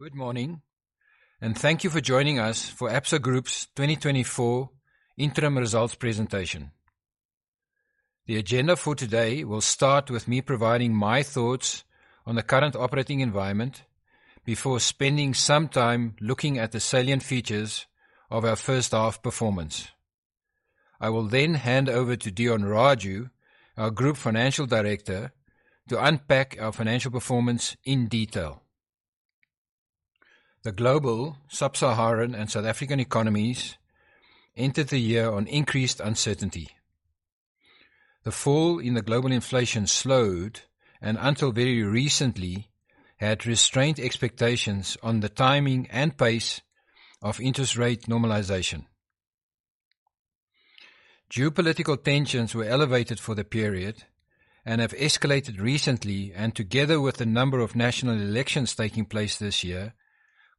Good morning, and thank you for joining us for Absa Group's 2024 interim results presentation. The agenda for today will start with me providing my thoughts on the current operating environment before spending some time looking at the salient features of our first half performance. I will then hand over to Deon Raju, our Group Financial Director, to unpack our financial performance in detail. The global sub-Saharan and South African economies entered the year on increased uncertainty. The fall in the global inflation slowed, and until very recently, had restrained expectations on the timing and pace of interest rate normalization. Geopolitical tensions were elevated for the period and have escalated recently, and together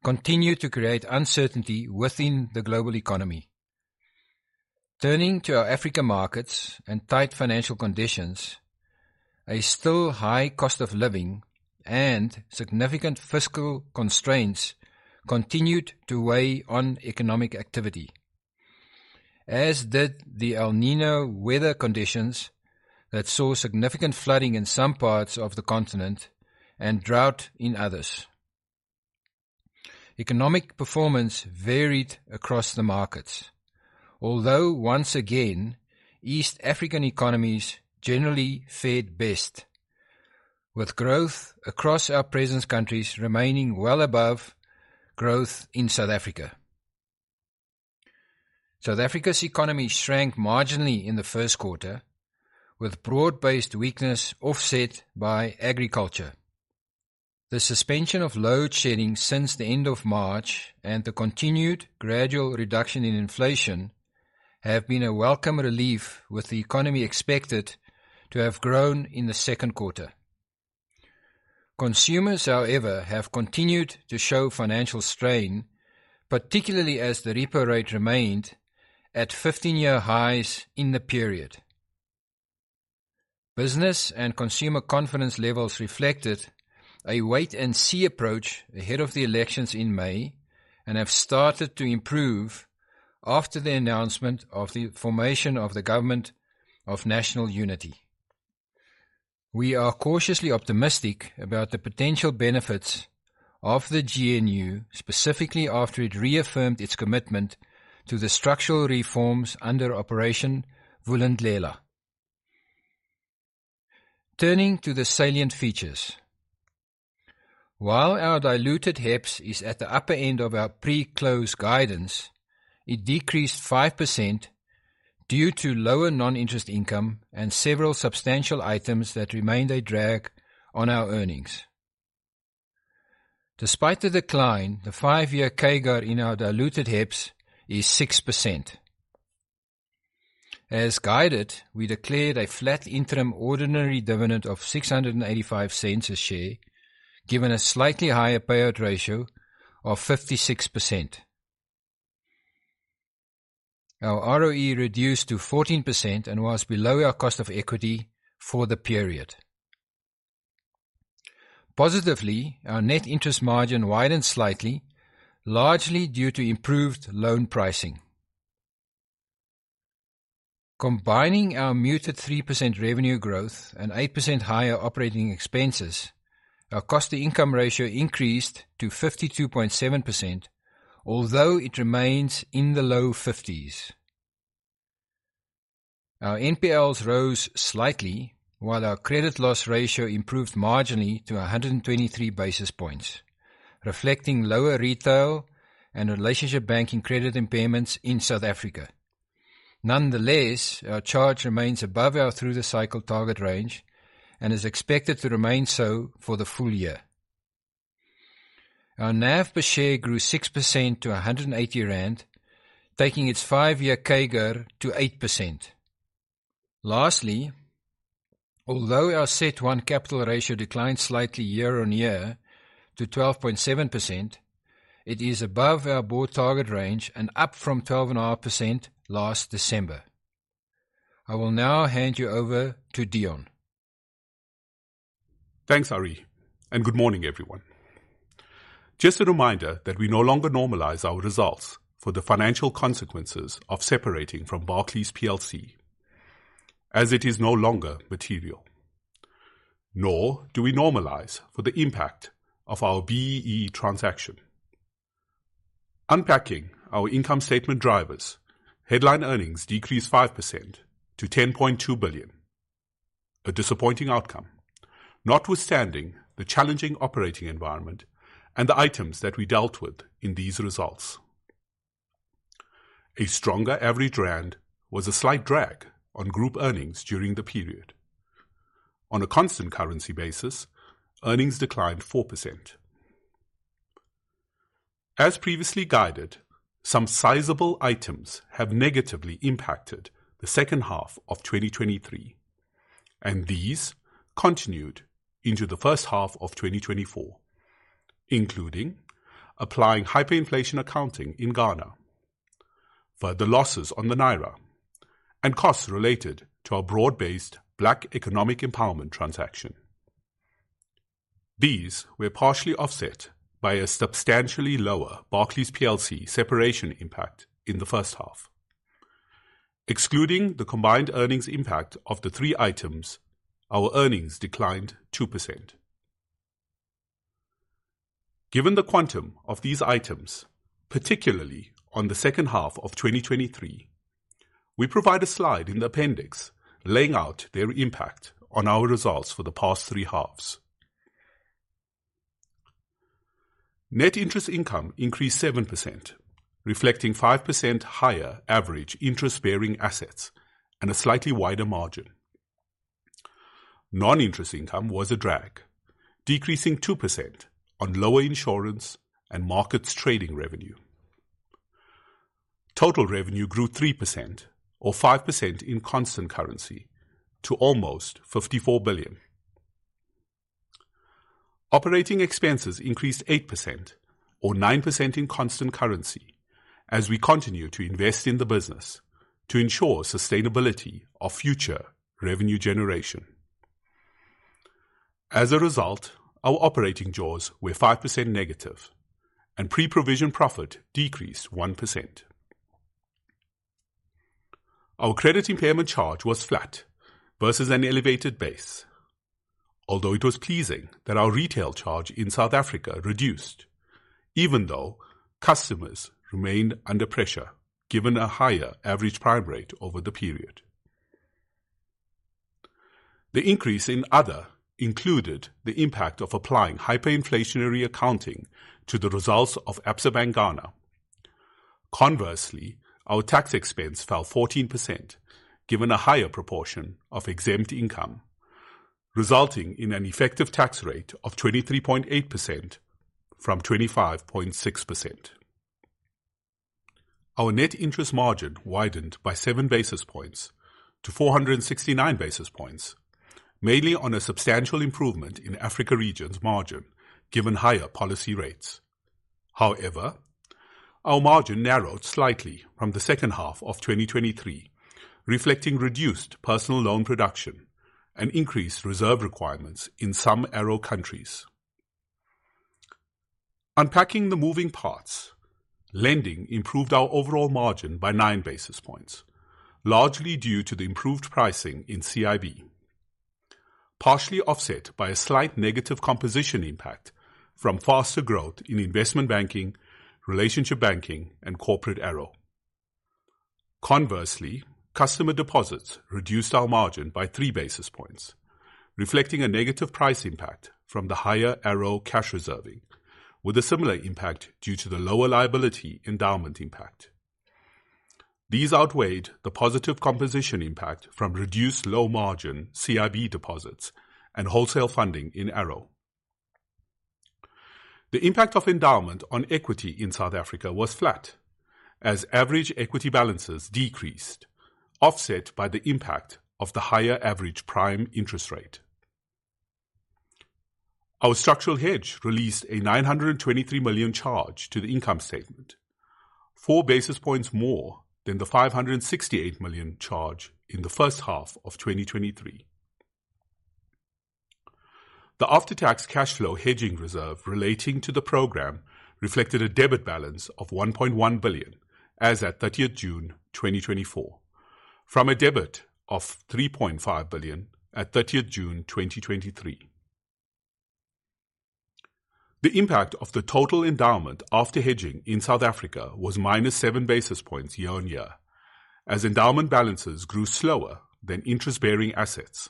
with a number of national elections taking place this year, continue to create uncertainty within the global economy. Turning to our African markets and tight financial conditions, a still high cost of living and significant fiscal constraints continued to weigh on economic activity, as did the El Niño weather conditions that saw significant flooding in some parts of the continent and drought in others. Economic performance varied across the markets, although once again, East African economies generally fared best, with growth across our presence countries remaining well above growth in South Africa. South Africa's economy shrank marginally in the first quarter, with broad-based weakness offset by agriculture. The suspension of load shedding since the end of March and the continued gradual reduction in inflation have been a welcome relief, with the economy expected to have grown in the second quarter. Consumers, however, have continued to show financial strain, particularly as the repo rate remained at fifteen-year highs in the period. Business and consumer confidence levels reflected a wait and see approach ahead of the elections in May and have started to improve after the announcement of the formation of the Government of National Unity. We are cautiously optimistic about the potential benefits of the GNU, specifically after it reaffirmed its commitment to the structural reforms under Operation Vulindlela. Turning to the salient features. While our diluted HEPS is at the upper end of our pre-close guidance, it decreased 5% due to lower non-interest income and several substantial items that remained a drag on our earnings. Despite the decline, the five-year CAGR in our diluted HEPS is 6%. As guided, we declared a flat interim ordinary dividend of 6.85 a share, given a slightly higher payout ratio of 56%. Our ROE reduced to 14% and was below our cost of equity for the period. Positively, our net interest margin widened slightly, largely due to improved loan pricing. Combining our muted 3% revenue growth and 8% higher operating expenses, our cost-to-income ratio increased to 52.7%, although it remains in the low 50s. Our NPLs rose slightly, while our credit loss ratio improved marginally to 123 basis points, reflecting lower retail and Relationship Banking credit impairments in South Africa. Nonetheless, our charge remains above our through-the-cycle target range and is expected to remain so for the full year. Our NAV per share grew 6% to 180 rand, taking its five-year CAGR to 8%. Lastly, although our CET1 capital ratio declined slightly year on year to 12.7%, it is above our board target range and up from 12.5% last December. I will now hand you over to Deon. Thanks, Arrie, and good morning, everyone. Just a reminder that we no longer normalize our results for the financial consequences of separating from Barclays PLC, as it is no longer material, nor do we normalize for the impact of our BEE transaction. Unpacking our income statement drivers, headline earnings decreased 5% to 10.2 billion. A disappointing outcome, notwithstanding the challenging operating environment and the items that we dealt with in these results. A stronger average Rand was a slight drag on group earnings during the period. On a constant currency basis, earnings declined 4%. As previously guided, some sizable items have negatively impacted the second half of 2023, and these continued into the first half of 2024, including applying hyperinflation accounting in Ghana, further losses on the naira, and costs related to our broad-based Black Economic Empowerment transaction. These were partially offset by a substantially lower Barclays PLC separation impact in the first half. Excluding the combined earnings impact of the three items, our earnings declined 2%. Given the quantum of these items, particularly on the second half of twenty twenty-three, we provide a slide in the appendix laying out their impact on our results for the past three halves. Net interest income increased 7%, reflecting 5% higher average interest-bearing assets and a slightly wider margin. Non-interest income was a drag, decreasing 2% on lower insurance and markets trading revenue. Total revenue grew 3% or 5% in constant currency to almost 54 billion. Operating expenses increased 8% or 9% in constant currency as we continue to invest in the business to ensure sustainability of future revenue generation. As a result, our operating jaws were 5% negative, and pre-provision profit decreased 1%. Our credit impairment charge was flat versus an elevated base, although it was pleasing that our retail charge in South Africa reduced, even though customers remained under pressure, given a higher average prime rate over the period. The increase in other included the impact of applying hyperinflation accounting to the results of Absa Bank Ghana. Conversely, our tax expense fell 14%, given a higher proportion of exempt income, resulting in an effective tax rate of 23.8% from 25.6%. Our net interest margin widened by seven basis points to 469 basis points, mainly on a substantial improvement in Africa regions margin, given higher policy rates. However, our margin narrowed slightly from the second half of 2023, reflecting reduced personal loan production and increased reserve requirements in some ARO countries. Unpacking the moving parts, lending improved our overall margin by nine basis points, largely due to the improved pricing in CIB, partially offset by a slight negative composition impact from faster growth in investment banking, Relationship Banking, and corporate ARO. Conversely, customer deposits reduced our margin by three basis points, reflecting a negative price impact from the higher ARO cash reserving, with a similar impact due to the lower liability endowment impact. These outweighed the positive composition impact from reduced low margin CIB deposits and wholesale funding in ARO. The impact of endowment on equity in South Africa was flat, as average equity balances decreased, offset by the impact of the higher average prime interest rate. Our structural hedge released a 923 million charge to the income statement, four basis points more than the 568 million charge in the first half of 2023. The after-tax cash flow hedging reserve relating to the program reflected a debit balance of ZAR 1.1 billion as at 30th June 2024, from a debit of ZAR 3.5 billion at 30th June 2023. The impact of the total endowment after hedging in South Africa was minus seven basis points year on year, as endowment balances grew slower than interest-bearing assets,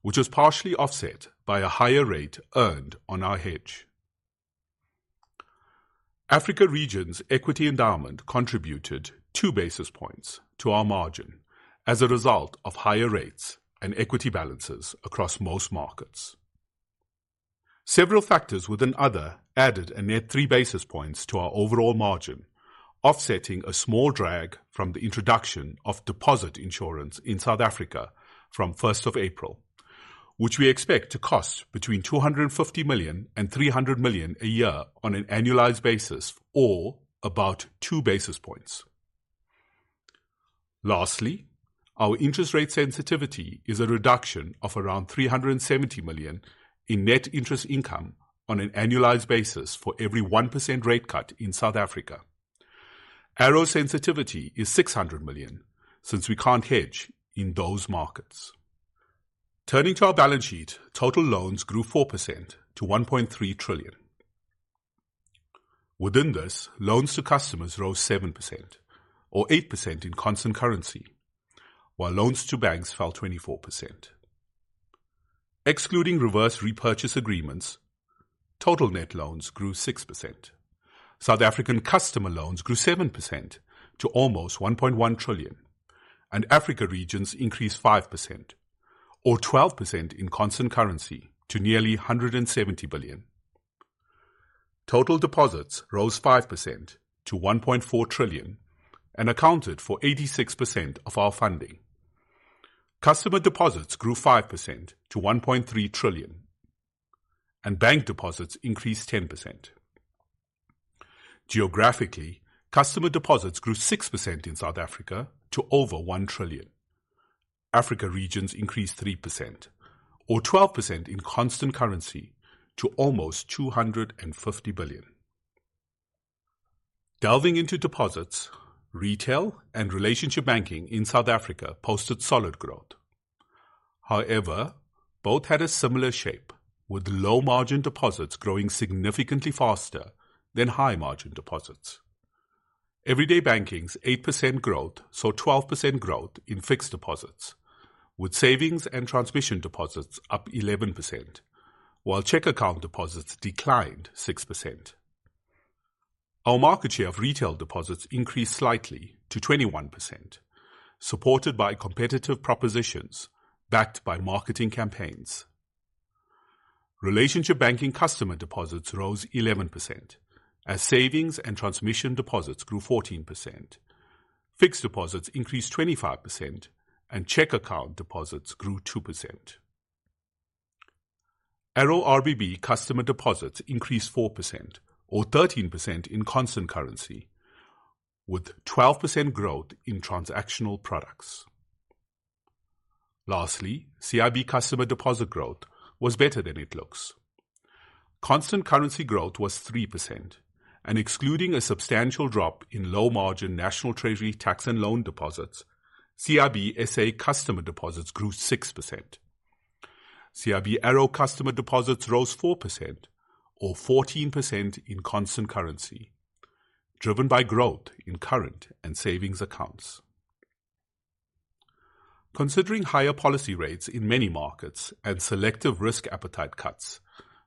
which was partially offset by a higher rate earned on our hedge. Africa region's equity endowment contributed two basis points to our margin as a result of higher rates and equity balances across most markets. Several factors within other added a net 3 basis points to our overall margin, offsetting a small drag from the introduction of deposit insurance in South Africa from first of April, which we expect to cost between 250 million and 300 million a year on an annualized basis or about 2 basis points. Lastly, our interest rate sensitivity is a reduction of around 370 million in net interest income on an annualized basis for every 1% rate cut in South Africa. ARO sensitivity is 600 million since we can't hedge in those markets. Turning to our balance sheet, total loans grew 4% to 1.3 trillion. Within this, loans to customers rose 7% or 8% in constant currency, while loans to banks fell 24%. Excluding reverse repurchase agreements, total net loans grew 6%. South African customer loans grew 7% to almost 1.1 trillion, and Africa regions increased 5% or 12% in constant currency to nearly 170 billion. Total deposits rose 5% to 1.4 trillion and accounted for 86% of our funding. Customer deposits grew 5% to 1.3 trillion, and bank deposits increased 10%. Geographically, customer deposits grew 6% in South Africa to over 1 trillion. Africa regions increased 3%, or 12% in constant currency, to almost 250 billion. Delving into deposits, retail and Relationship Banking in South Africa posted solid growth. However, both had a similar shape, with low-margin deposits growing significantly faster than high-margin deposits. Everyday Banking's 8% growth saw 12% growth in fixed deposits, with savings and transmission deposits up 11%, while cheque account deposits declined 6%. Our market share of retail deposits increased slightly to 21%, supported by competitive propositions backed by marketing campaigns. Relationship Banking customer deposits rose 11%, as savings and transmission deposits grew 14%. Fixed deposits increased 25%, and cheque account deposits grew 2%. ARO RBB customer deposits increased 4%, or 13% in constant currency, with 12% growth in transactional products. Lastly, CIB customer deposit growth was better than it looks. Constant currency growth was 3%, and excluding a substantial drop in low-margin National Treasury tax and loan deposits, CIB SA customer deposits grew 6%. CIB ARO customer deposits rose 4%, or 14% in constant currency, driven by growth in current and savings accounts. Considering higher policy rates in many markets and selective risk appetite cuts,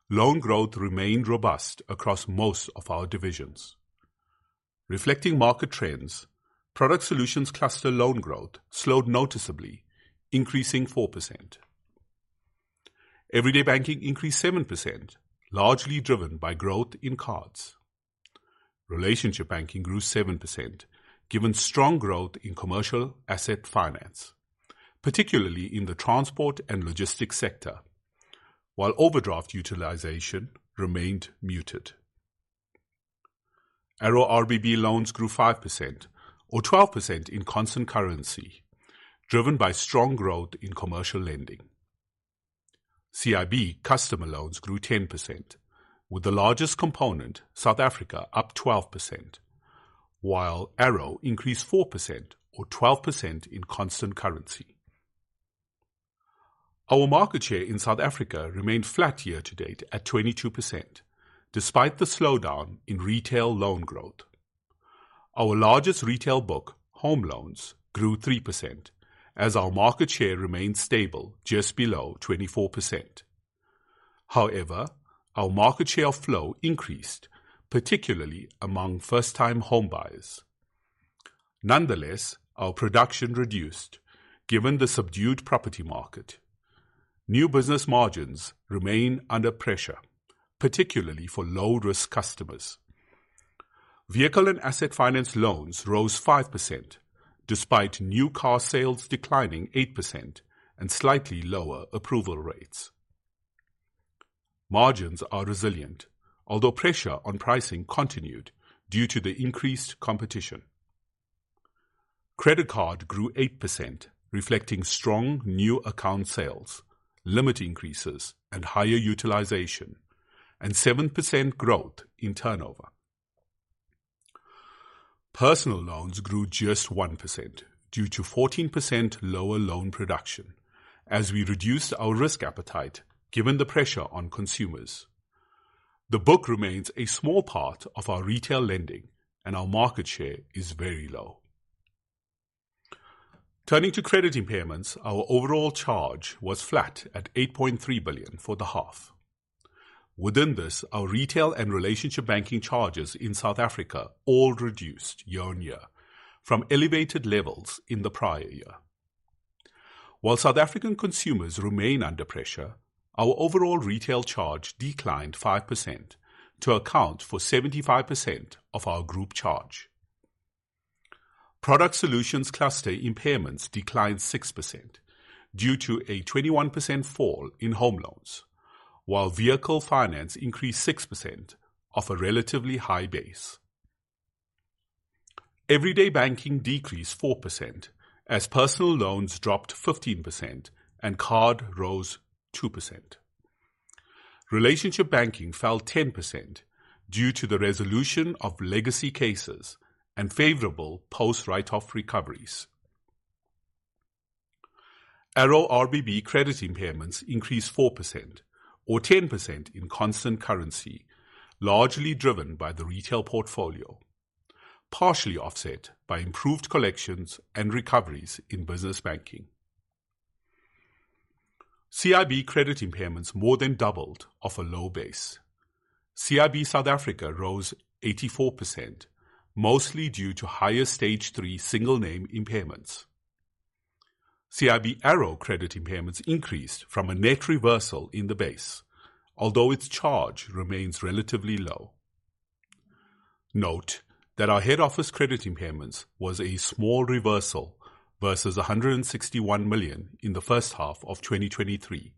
loan growth remained robust across most of our divisions. Reflecting market trends, Product Solutions Cluster loan growth slowed noticeably, increasing 4%. Everyday Banking increased 7%, largely driven by growth in cards. Relationship Banking grew 7%, given strong growth in commercial asset finance, particularly in the transport and logistics sector, while overdraft utilization remained muted. ARO RBB loans grew 5%, or 12% in constant currency, driven by strong growth in commercial lending. CIB customer loans grew 10%, with the largest component, South Africa, up 12%, while ARO increased 4% or 12% in constant currency. Our market share in South Africa remained flat year to date at 22%, despite the slowdown in retail loan growth. Our largest retail book, home loans, grew 3% as our market share remained stable just below 24%. However, our market share flow increased, particularly among first-time home buyers. Nonetheless, our production reduced, given the subdued property market. New business margins remain under pressure, particularly for low-risk customers. Vehicle and Asset Finance loans rose 5%, despite new car sales declining 8% and slightly lower approval rates. Margins are resilient, although pressure on pricing continued due to the increased competition. Credit card grew 8%, reflecting strong new account sales, limit increases and higher utilization, and 7% growth in turnover. Personal loans grew just 1% due to 14% lower loan production as we reduced our risk appetite, given the pressure on consumers. The book remains a small part of our retail lending and our market share is very low. Turning to credit impairments, our overall charge was flat at 8.3 billion for the half. Within this, our retail and Relationship Banking charges in South Africa all reduced year-on-year from elevated levels in the prior year. While South African consumers remain under pressure, our overall retail charge declined 5% to account for 75% of our group charge. Product solutions Cluster impairments declined 6% due to a 21% fall in home loans, while vehicle finance increased 6% off a relatively high base. Everyday Banking decreased 4% as personal loans dropped 15% and card rose 2%. Relationship Banking fell 10% due to the resolution of legacy cases and favorable post-write-off recoveries. ARO RBB credit impairments increased 4% or 10% in constant currency, largely driven by the retail portfolio, partially offset by improved collections and recoveries in business banking. CIB credit impairments more than doubled off a low base. CIB South Africa rose 84%, mostly due to higher Stage 3 single name impairments. CIB ARO credit impairments increased from a net reversal in the base, although its charge remains relatively low. Note that our head office credit impairments was a small reversal versus 161 million in the first half of 2023,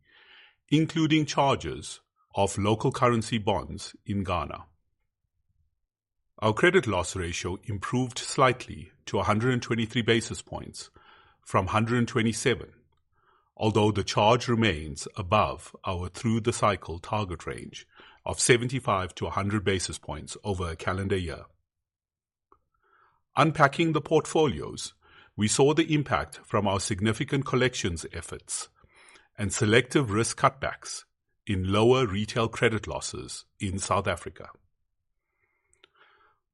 including charges of local currency bonds in Ghana. Our credit loss ratio improved slightly to 123 basis points from 127, although the charge remains above our through-the-cycle target range of 75 to 100 basis points over a calendar year. Unpacking the portfolios, we saw the impact from our significant collections efforts and selective risk cutbacks in lower retail credit losses in South Africa.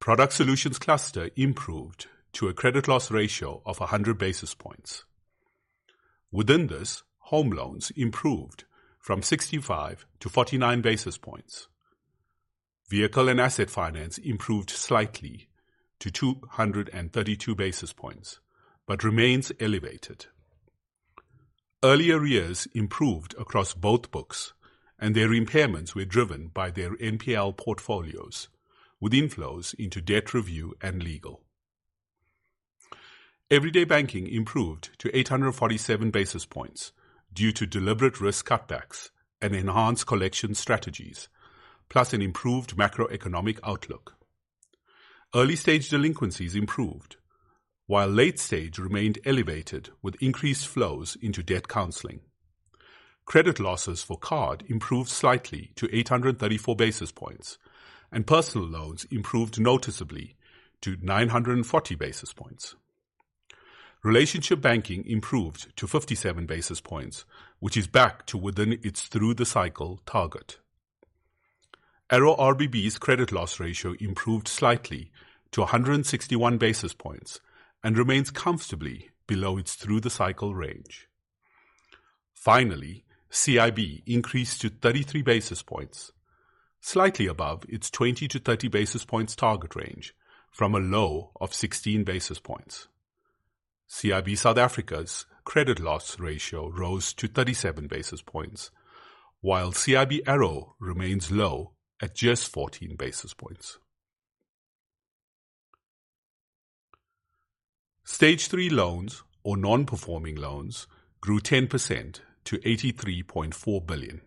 Product Solutions Cluster improved to a credit loss ratio of 100 basis points. Within this, home loans improved from sixty-five to forty-nine basis points. Vehicle and Asset Finance improved slightly to two hundred and thirty-two basis points, but remains elevated. Early arrears improved across both books, and their impairments were driven by their NPL portfolios, with inflows into debt review and legal. Everyday Banking improved to eight hundred and forty-seven basis points due to deliberate risk cutbacks and enhanced collection strategies, plus an improved macroeconomic outlook. Early-stage delinquencies improved, while late stage remained elevated with increased flows into debt counseling. Credit losses for card improved slightly to eight hundred and thirty-four basis points, and personal loans improved noticeably to nine hundred and forty basis points. Relationship Banking improved to fifty-seven basis points, which is back to within its through-the-cycle target. ARO RBB's credit loss ratio improved slightly to a hundred and sixty-one basis points and remains comfortably below its through-the-cycle range. Finally, CIB increased to 33 basis points, slightly above its 20-30 basis points target range from a low of 16 basis points. CIB South Africa's credit loss ratio rose to 37 basis points, while CIB ARO remains low at just 14 basis points. Stage 3 loans or non-performing loans grew 10% to 83.4 billion,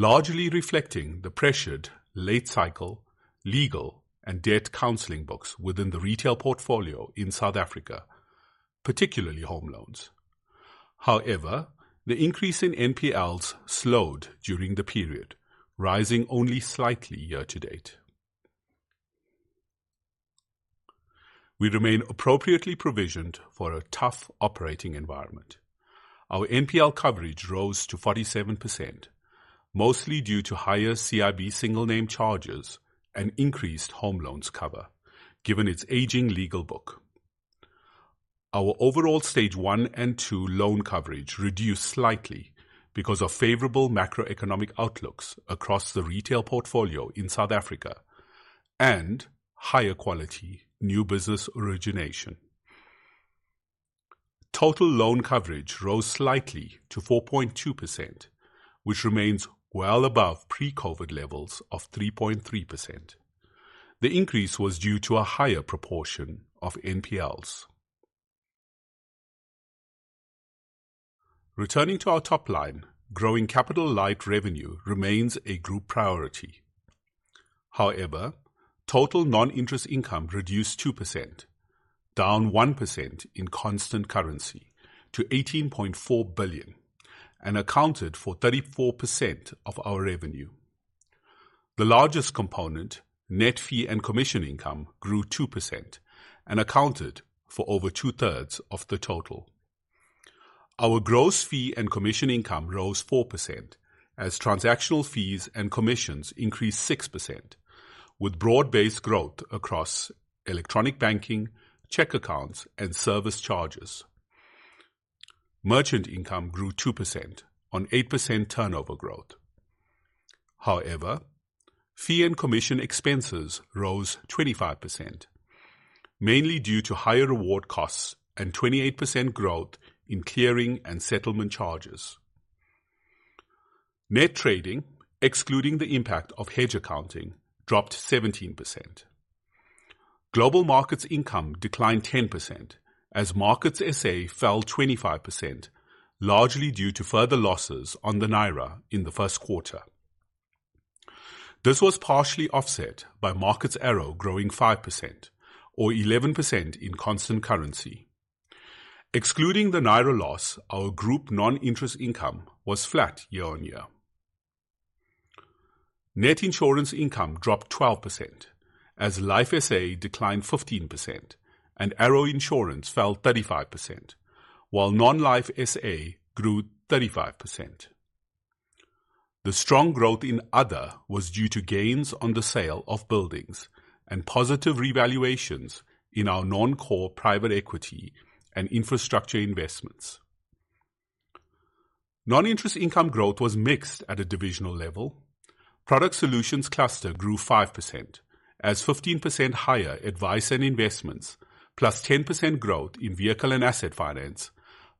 largely reflecting the pressured late cycle, legal, and debt counseling books within the retail portfolio in South Africa, particularly home loans. However, the increase in NPLs slowed during the period, rising only slightly year to date. We remain appropriately provisioned for a tough operating environment. Our NPL coverage rose to 47%, mostly due to higher CIB single name charges and increased home loans cover, given its aging legal book. Our overall stage one and two loan coverage reduced slightly because of favorable macroeconomic outlooks across the retail portfolio in South Africa and higher quality new business origination. Total loan coverage rose slightly to 4.2%, which remains well above pre-COVID levels of 3.3%. The increase was due to a higher proportion of NPLs. Returning to our top line, growing capital-light revenue remains a group priority. However, total non-interest income reduced 2%, down 1% in constant currency to 18.4 billion, and accounted for 34% of our revenue. The largest component, net fee and commission income, grew 2% and accounted for over two-thirds of the total. Our gross fee and commission income rose 4% as transactional fees and commissions increased 6%, with broad-based growth across electronic banking, cheque accounts, and service charges. Merchant income grew 2% on 8% turnover growth. However, fee and commission expenses rose 25%, mainly due to higher reward costs and 28% growth in clearing and settlement charges. Net trading, excluding the impact of hedge accounting, dropped 17%. Global markets income declined 10% as Markets SA fell 25%, largely due to further losses on the Naira in the first quarter. This was partially offset by Markets ARO growing 5% or 11% in constant currency. Excluding the Naira loss, our group non-interest income was flat year on year. Net insurance income dropped 12% as Life SA declined 15% and ARO Insurance fell 35%, while Non-Life SA grew 35%. The strong growth in other was due to gains on the sale of buildings and positive revaluations in our non-core private equity and infrastructure investments. Non-interest income growth was mixed at a divisional level. Product Solutions cluster grew 5% as 15% higher advice and investments +10% growth in vehicle and asset finance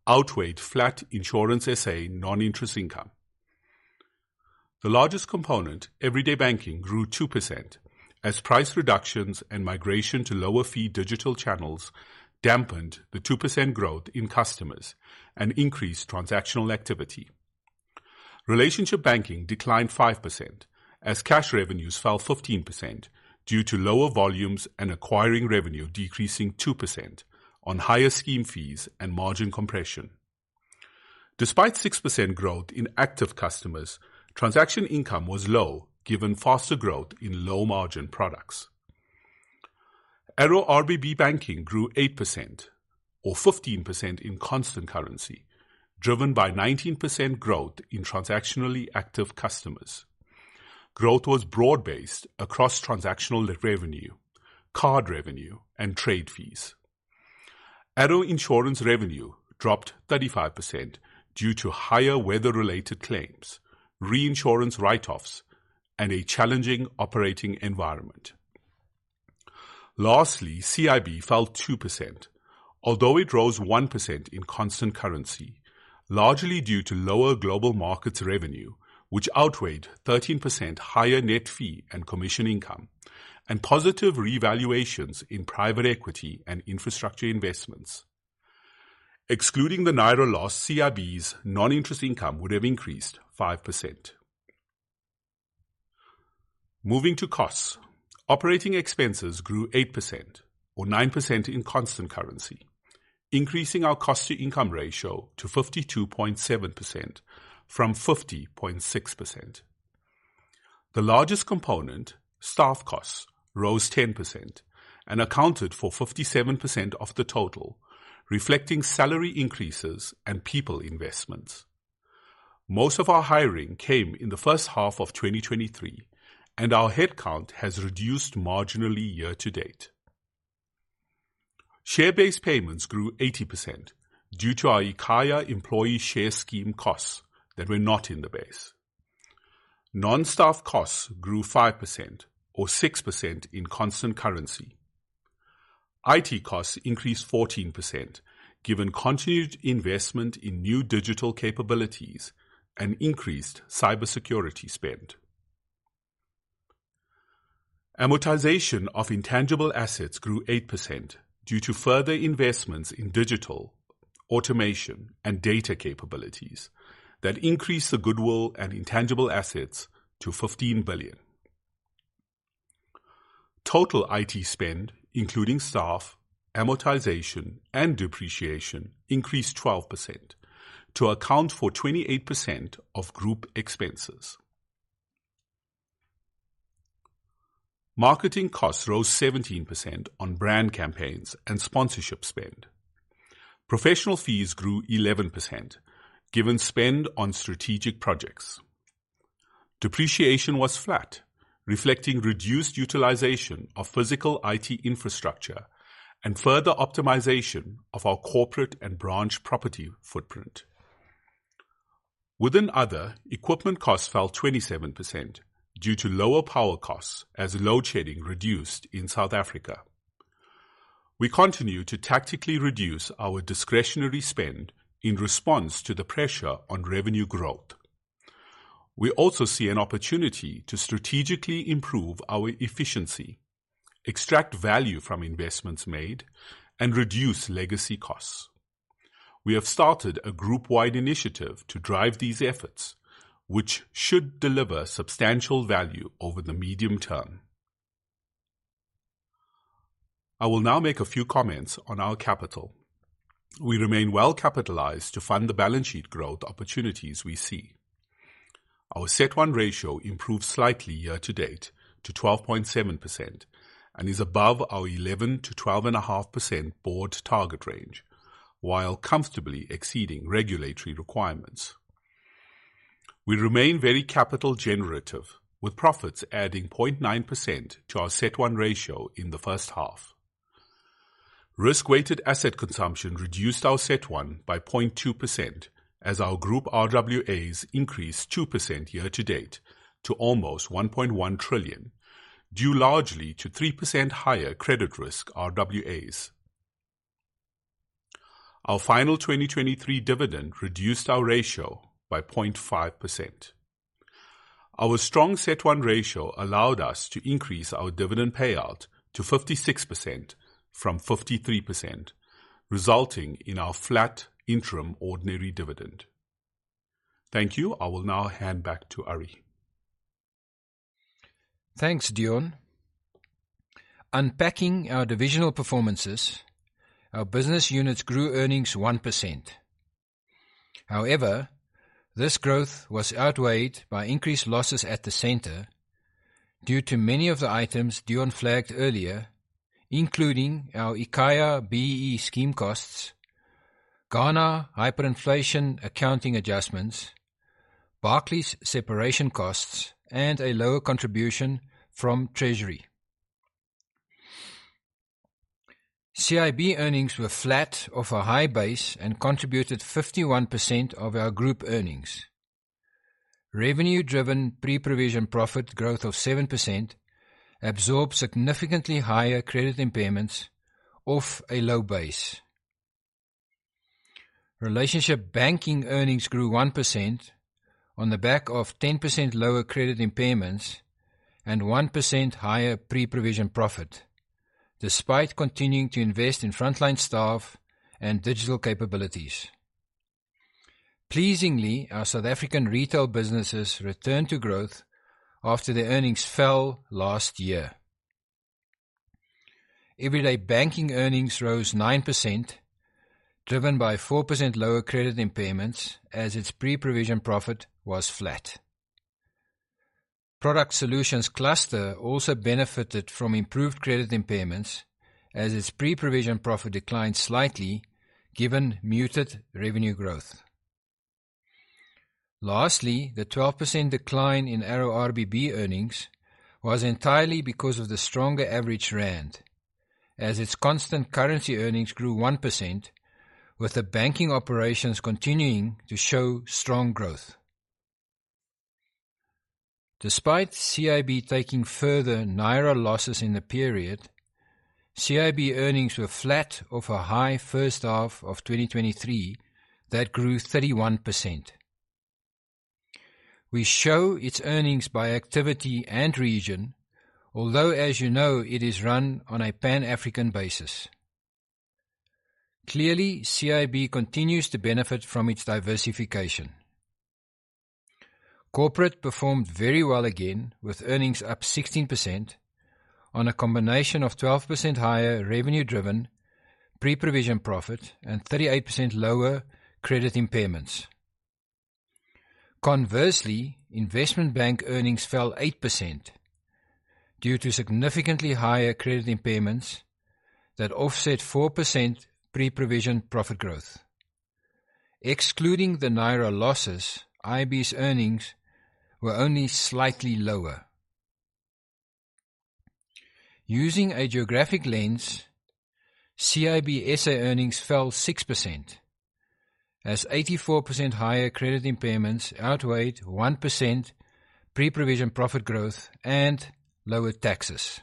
outweighed flat Insurance SA non-interest income. The largest component, Everyday Banking, grew 2% as price reductions and migration to lower-fee digital channels dampened the 2% growth in customers and increased transactional activity. Relationship Banking declined 5% as cash revenues fell 15% due to lower volumes and acquiring revenue decreasing 2% on higher scheme fees and margin compression. Despite 6% growth in active customers, transaction income was low, given faster growth in low-margin products. ARO RBB Banking grew 8% or 15% in constant currency, driven by 19% growth in transactionally active customers. Growth was broad-based across transactional revenue, card revenue, and trade fees. ARO Insurance revenue dropped 35% due to higher weather-related claims, reinsurance write-offs, and a challenging operating environment. Lastly, CIB fell 2%, although it rose 1% in constant currency, largely due to lower global markets revenue, which outweighed 13% higher net fee and commission income and positive revaluations in private equity and infrastructure investments. Excluding the Naira loss, CIB's non-interest income would have increased 5%. Moving to costs. Operating expenses grew 8% or 9% in constant currency, increasing our cost-to-income ratio to 52.7% from 50.6%. The largest component, staff costs, rose 10% and accounted for 57% of the total, reflecting salary increases and people investments. Most of our hiring came in the first half of 2023, and our headcount has reduced marginally year to date. Share-based payments grew 80% due to our eKhaya employee share scheme costs that were not in the base. Non-staff costs grew 5% or 6% in constant currency. IT costs increased 14%, given continued investment in new digital capabilities and increased cybersecurity spend. Amortization of intangible assets grew 8% due to further investments in digital, automation, and data capabilities that increased the goodwill and intangible assets to 15 billion. Total IT spend, including staff, amortization, and depreciation, increased 12% to account for 28% of group expenses. Marketing costs rose 17% on brand campaigns and sponsorship spend. Professional fees grew 11%, given spend on strategic projects. Depreciation was flat, reflecting reduced utilization of physical IT infrastructure and further optimization of our corporate and branch property footprint. Within other, equipment costs fell 27% due to lower power costs as load shedding reduced in South Africa. We continue to tactically reduce our discretionary spend in response to the pressure on revenue growth. We also see an opportunity to strategically improve our efficiency, extract value from investments made, and reduce legacy costs. We have started a group-wide initiative to drive these efforts, which should deliver substantial value over the medium term. I will now make a few comments on our capital. We remain well-capitalized to fund the balance sheet growth opportunities we see. Our CET1 ratio improved slightly year to date to 12.7% and is above our 11% to 12.5% board target range, while comfortably exceeding regulatory requirements. We remain very capital generative, with profits adding 0.9% to our CET1 ratio in the first half. Risk-weighted asset consumption reduced our CET1 by 0.2% as our group RWAs increased 2% year to date to almost 1.1 trillion, due largely to 3% higher credit risk RWAs. Our final 2023 dividend reduced our ratio by 0.5%. Our strong CET1 ratio allowed us to increase our dividend payout to 56% from 53%, resulting in our flat interim ordinary dividend. Thank you. I will now hand back to Arrie. Thanks, Deon. Unpacking our divisional performances, our business units grew earnings 1%. However, this growth was outweighed by increased losses at the center due to many of the items Deon flagged earlier, including our eKhaya BEE scheme costs, Ghana hyperinflation accounting adjustments, Barclays separation costs, and a lower contribution from Treasury. CIB earnings were flat off a high base and contributed 51% of our group earnings. Revenue-driven pre-provision profit growth of 7% absorbed significantly higher credit impairments off a low base. Relationship Banking earnings grew 1% on the back of 10% lower credit impairments and 1% higher pre-provision profit, despite continuing to invest in frontline staff and digital capabilities. Pleasingly, our South African retail businesses returned to growth after their earnings fell last year. Everyday Banking earnings rose 9%, driven by 4% lower credit impairments, as its pre-provision profit was flat. Product Solutions Cluster also benefited from improved credit impairments, as its pre-provision profit declined slightly, given muted revenue growth. Lastly, the 12% decline in ARO RBB earnings was entirely because of the stronger average rand, as its constant currency earnings grew 1%, with the banking operations continuing to show strong growth. Despite CIB taking further Naira losses in the period, CIB earnings were flat off a high first half of 2023 that grew 31%. We show its earnings by activity and region, although as you know, it is run on a Pan-African basis. Clearly, CIB continues to benefit from its diversification. Corporate performed very well again, with earnings up 16% on a combination of 12% higher revenue-driven pre-provision profit and 38% lower credit impairments. Conversely, investment bank earnings fell 8% due to significantly higher credit impairments that offset 4% pre-provision profit growth. Excluding the Naira losses, IB's earnings were only slightly lower. Using a geographic lens, CIB SA earnings fell 6%, as 84% higher credit impairments outweighed 1% pre-provision profit growth and lower taxes.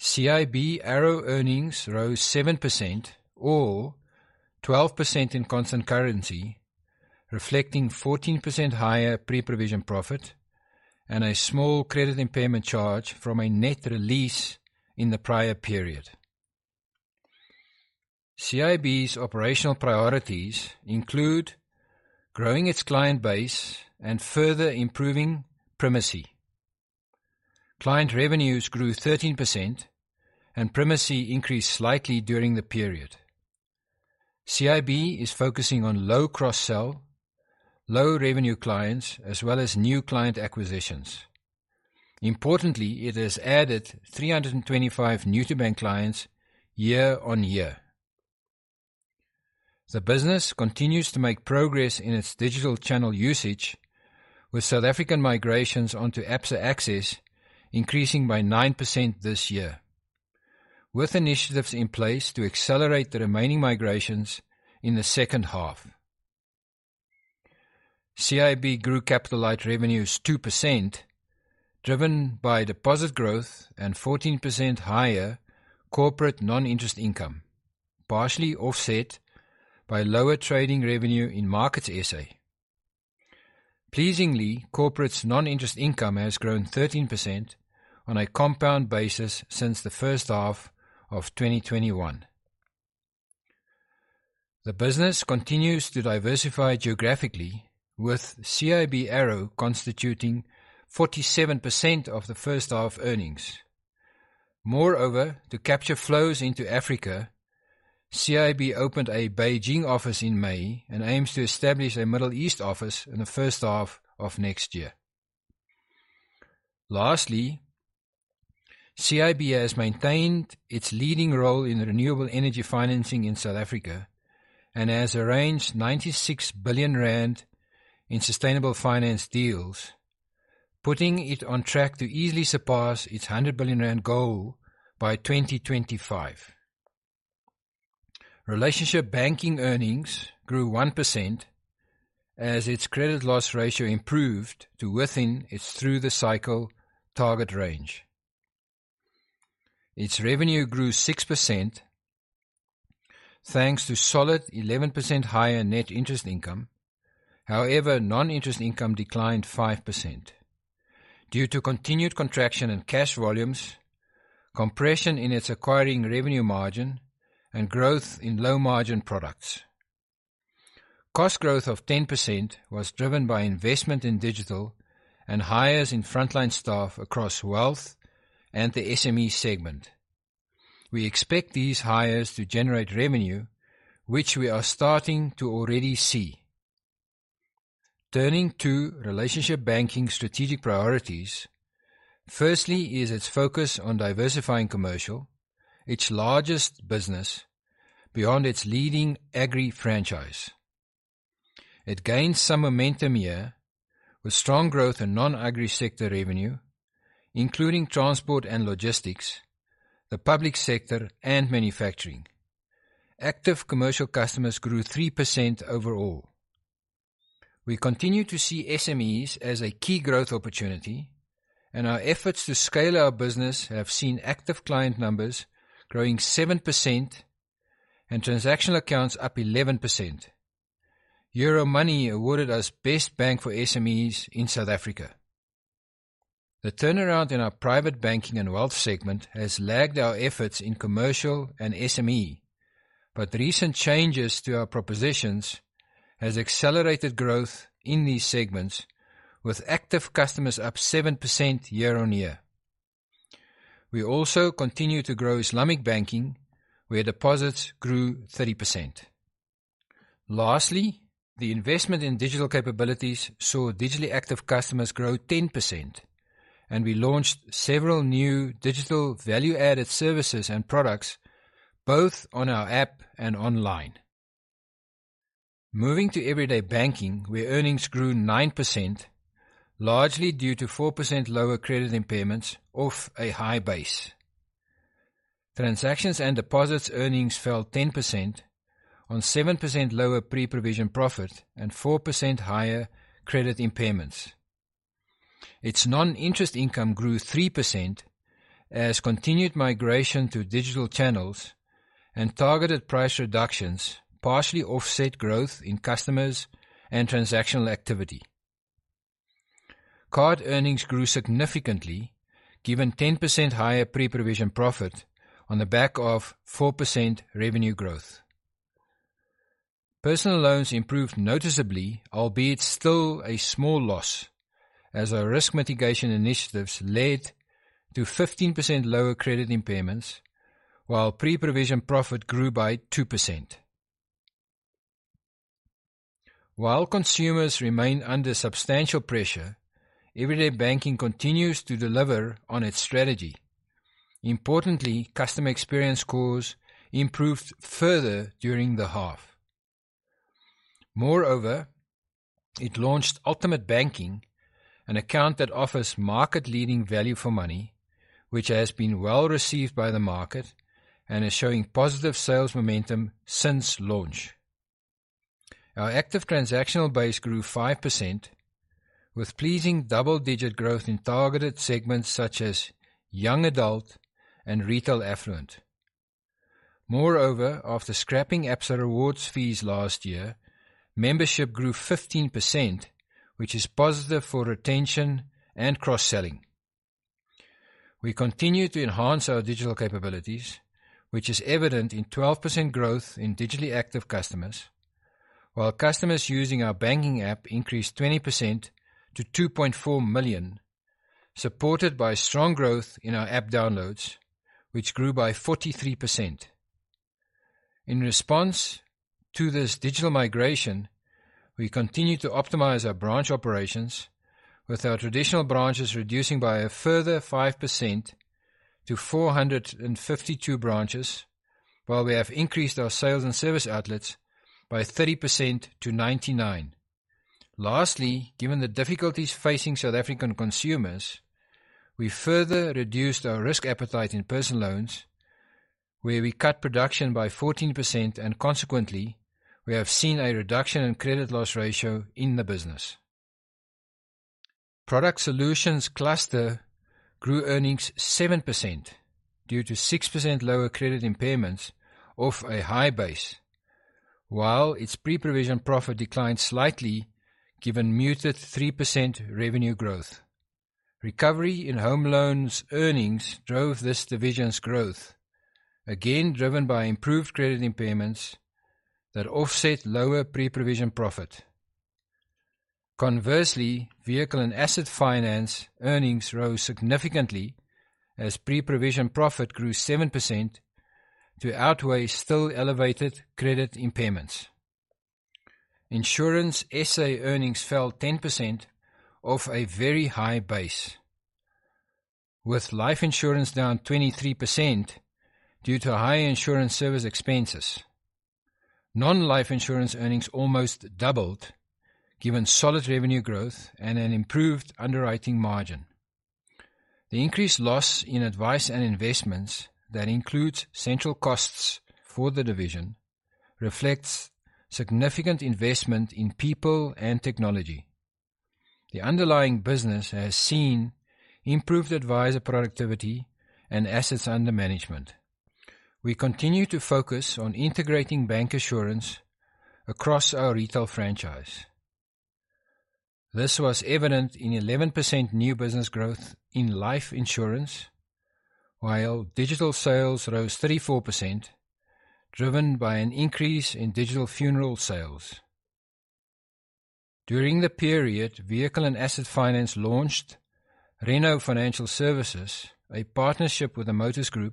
CIB ARO earnings rose 7% or 12% in constant currency, reflecting 14% higher pre-provision profit and a small credit impairment charge from a net release in the prior period. CIB's operational priorities include growing its client base and further improving primacy. Client revenues grew 13%, and primacy increased slightly during the period. CIB is focusing on low cross-sell, low revenue clients, as well as new client acquisitions. Importantly, it has added 325 new-to-bank clients year on year. The business continues to make progress in its digital channel usage, with South African migrations onto Absa Access increasing by 9% this year, with initiatives in place to accelerate the remaining migrations in the second half. CIB grew capital light revenues 2%, driven by deposit growth and 14% higher corporate non-interest income, partially offset by lower trading revenue in Markets SA. Pleasingly, corporate's non-interest income has grown 13% on a compound basis since the first half of 2021. The business continues to diversify geographically, with CIB ARO constituting 47% of the first half earnings. Moreover, to capture flows into Africa, CIB opened a Beijing office in May and aims to establish a Middle East office in the first half of next year. Lastly, CIB has maintained its leading role in renewable energy financing in South Africa and has arranged 96 billion rand in sustainable finance deals, putting it on track to easily surpass its 100 billion rand goal by 2025. Relationship Banking earnings grew 1% as its credit loss ratio improved to within its through-the-cycle target range. Its revenue grew 6%, thanks to solid 11% higher net interest income. However, non-interest income declined 5% due to continued contraction in cash volumes, compression in its acquiring revenue margin, and growth in low-margin products. Cost growth of 10% was driven by investment in digital and hires in frontline staff across wealth and the SME segment. We expect these hires to generate revenue, which we are starting to already see. Turning to Relationship Banking strategic priorities, firstly is its focus on diversifying commercial, its largest business, beyond its leading agri franchise. It gained some momentum here, with strong growth in non-agri sector revenue, including transport and logistics, the public sector, and manufacturing. Active commercial customers grew 3% overall. We continue to see SMEs as a key growth opportunity, and our efforts to scale our business have seen active client numbers growing 7% and transactional accounts up 11%. Euromoney awarded us Best Bank for SMEs in South Africa. The turnaround in our private banking and wealth segment has lagged our efforts in commercial and SME, but recent changes to our propositions has accelerated growth in these segments, with active customers up 7% year-on-year. We also continue to grow Islamic banking, where deposits grew 30%. Lastly, the investment in digital capabilities saw digitally active customers grow 10%, and we launched several new digital value-added services and products, both on our app and online. Moving to everyday Banking, where earnings grew 9%, largely due to 4% lower credit impairments off a high base. Transactions and deposits earnings fell 10% on 7% lower pre-provision profit and 4% higher credit impairments. Its non-interest income grew 3% as continued migration to digital channels and targeted price reductions partially offset growth in customers and transactional activity. Card earnings grew significantly, given 10% higher pre-provision profit on the back of 4% revenue growth. Personal loans improved noticeably, albeit still a small loss, as our risk mitigation initiatives led to 15% lower credit impairments, while pre-provision profit grew by 2%. While consumers remain under substantial pressure, Everyday Banking continues to deliver on its strategy. Importantly, customer experience scores improved further during the half. Moreover, it launched Ultimate Banking, an account that offers market-leading value for money, which has been well received by the market and is showing positive sales momentum since launch. Our active transactional base grew 5%, with pleasing double-digit growth in targeted segments such as young adult and retail affluent. Moreover, after scrapping Absa Rewards fees last year, membership grew 15%, which is positive for retention and cross-selling. We continue to enhance our digital capabilities, which is evident in 12% growth in digitally active customers, while customers using our banking app increased 20% to 2.4 million, supported by strong growth in our app downloads, which grew by 43%. In response to this digital migration, we continue to optimize our branch operations, with our traditional branches reducing by a further 5% to 452 branches, while we have increased our sales and service outlets by 30% to 99. Lastly, given the difficulties facing South African consumers, we further reduced our risk appetite in personal loans, where we cut production by 14%, and consequently, we have seen a reduction in credit loss ratio in the business. Product Solutions Cluster grew earnings 7% due to 6% lower credit impairments off a high base, while its pre-provision profit declined slightly, given muted 3% revenue growth. Recovery in home loans earnings drove this division's growth, again, driven by improved credit impairments that offset lower pre-provision profit. Conversely, vehicle and asset finance earnings rose significantly as pre-provision profit grew 7% to outweigh still elevated credit impairments. Insurance SA earnings fell 10% off a very high base, with life insurance down 23% due to high insurance service expenses. Non-life insurance earnings almost doubled, given solid revenue growth and an improved underwriting margin. The increased loss in advice and investments that includes central costs for the division reflects significant investment in people and technology. The underlying business has seen improved advisor productivity and assets under management. We continue to focus on integrating bancassurance across our retail franchise. This was evident in 11% new business growth in life insurance, while digital sales rose 34%, driven by an increase in digital funeral sales. During the period, Vehicle and Asset Finance launched Renault Financial Services, a partnership with the Motus Group,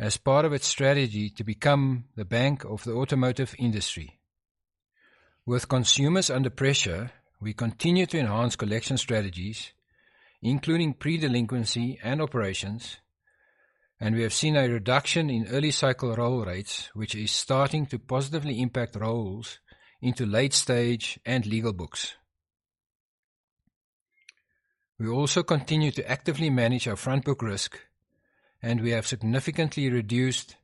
as part of its strategy to become the bank of the automotive industry. With consumers under pressure, we continue to enhance collection strategies, including pre-delinquency and operations, and we have seen a reduction in early cycle roll rates, which is starting to positively impact rolls into late stage and legal books. We also continue to actively manage our front book risk, and we have significantly reduced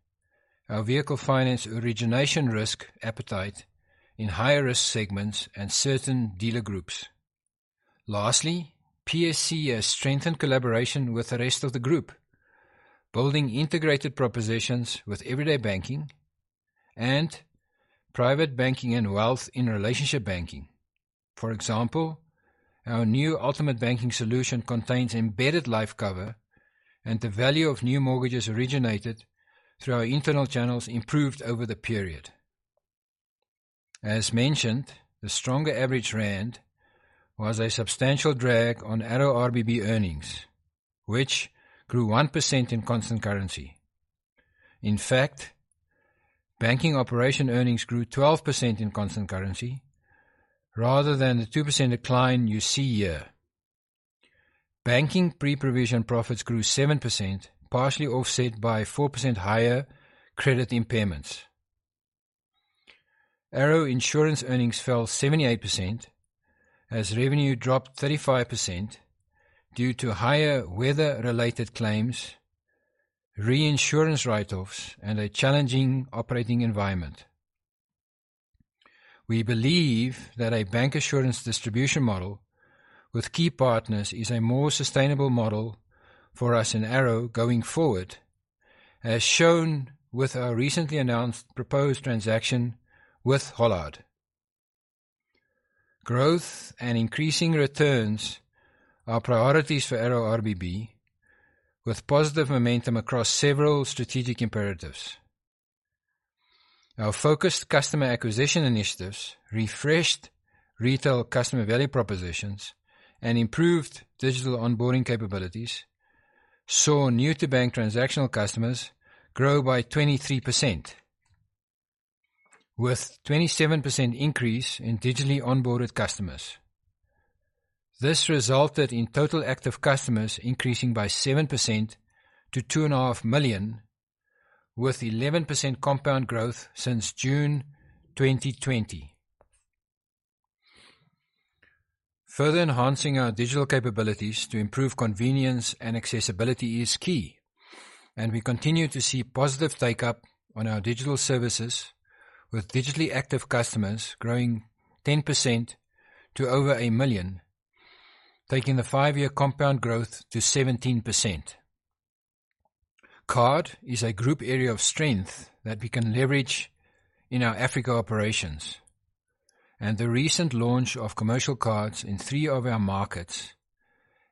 our vehicle finance origination risk appetite in higher risk segments and certain dealer groups. Lastly, PSC has strengthened collaboration with the rest of the group, building integrated propositions with Everyday Banking and private banking and wealth in Relationship Banking. For example, our new Ultimate Banking solution contains embedded life cover, and the value of new mortgages originated through our internal channels improved over the period. As mentioned, the stronger average rand was a substantial drag on ARO RBB earnings, which grew 1% in constant currency. In fact, banking operation earnings grew 12% in constant currency rather than the 2% decline you see here. Banking pre-provision profits grew 7%, partially offset by 4% higher credit impairments. ARO Insurance earnings fell 78% as revenue dropped 35% due to higher weather-related claims, reinsurance write-offs, and a challenging operating environment. We believe that a bancassurance distribution model with key partners is a more sustainable model for us in ARO going forward, as shown with our recently announced proposed transaction with Hollard. Growth and increasing returns are priorities for ARO RBB, with positive momentum across several strategic imperatives. Our focused customer acquisition initiatives refreshed retail customer value propositions and improved digital onboarding capabilities, saw new to bank transactional customers grow by 23%, with 27% increase in digitally onboarded customers. This resulted in total active customers increasing by 7% to 2.5 million, with 11% compound growth since June 2020. Further enhancing our digital capabilities to improve convenience and accessibility is key, and we continue to see positive take-up on our digital services, with digitally active customers growing 10% to over 1 million, taking the five-year compound growth to 17%. Cards is a group area of strength that we can leverage in our Africa operations, and the recent launch of commercial cards in three of our markets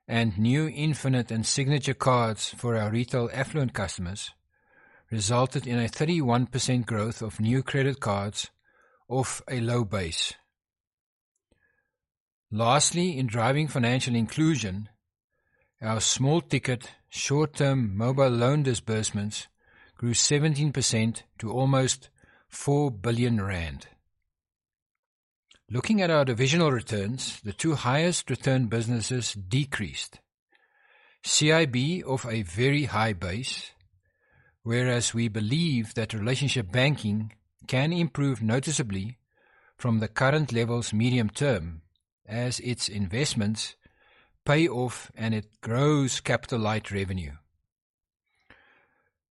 and new Infinite and Signature cards for our retail affluent customers resulted in a 31% growth of new credit cards off a low base. Lastly, in driving financial inclusion, our small ticket, short-term mobile loan disbursements grew 17% to almost 4 billion rand. Looking at our divisional returns, the two highest return businesses decreased, CIB off a very high base, whereas we believe that Relationship Banking can improve noticeably from the current levels medium term, as its investments pay off and it grows capital light revenue.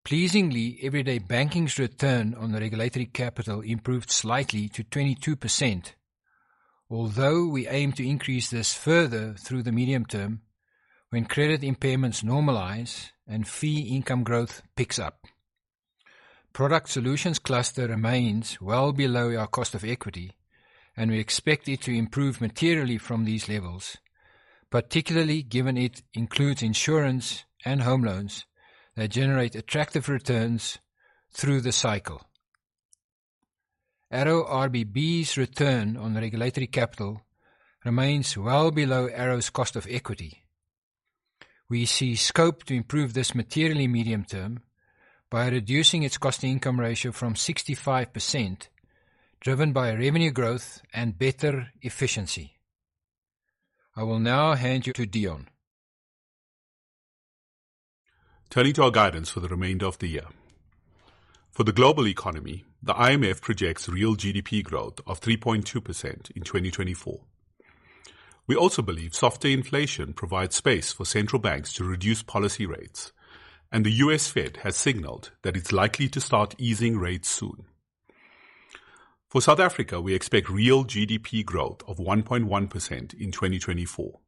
Pleasingly, Everyday Banking's return on the regulatory capital improved slightly to 22%, although we aim to increase this further through the medium term when credit impairments normalize and fee income growth picks up. Product Solutions Cluster remains well below our cost of equity, and we expect it to improve materially from these levels, particularly given it includes insurance and home loans that generate attractive returns through the cycle. ARO RBB's return on regulatory capital remains well below ARO's cost of equity. We see scope to improve this materially medium term by reducing its cost-to-income ratio from 65%, driven by revenue growth and better efficiency. I will now hand you to Deon. Turning to our guidance for the remainder of the year. For the global economy, the IMF projects real GDP growth of 3.2% in 2024. We also believe softer inflation provides space for central banks to reduce policy rates, and the US Fed has signaled that it's likely to start easing rates soon. For South Africa, we expect real GDP growth of 1.1% in 2024.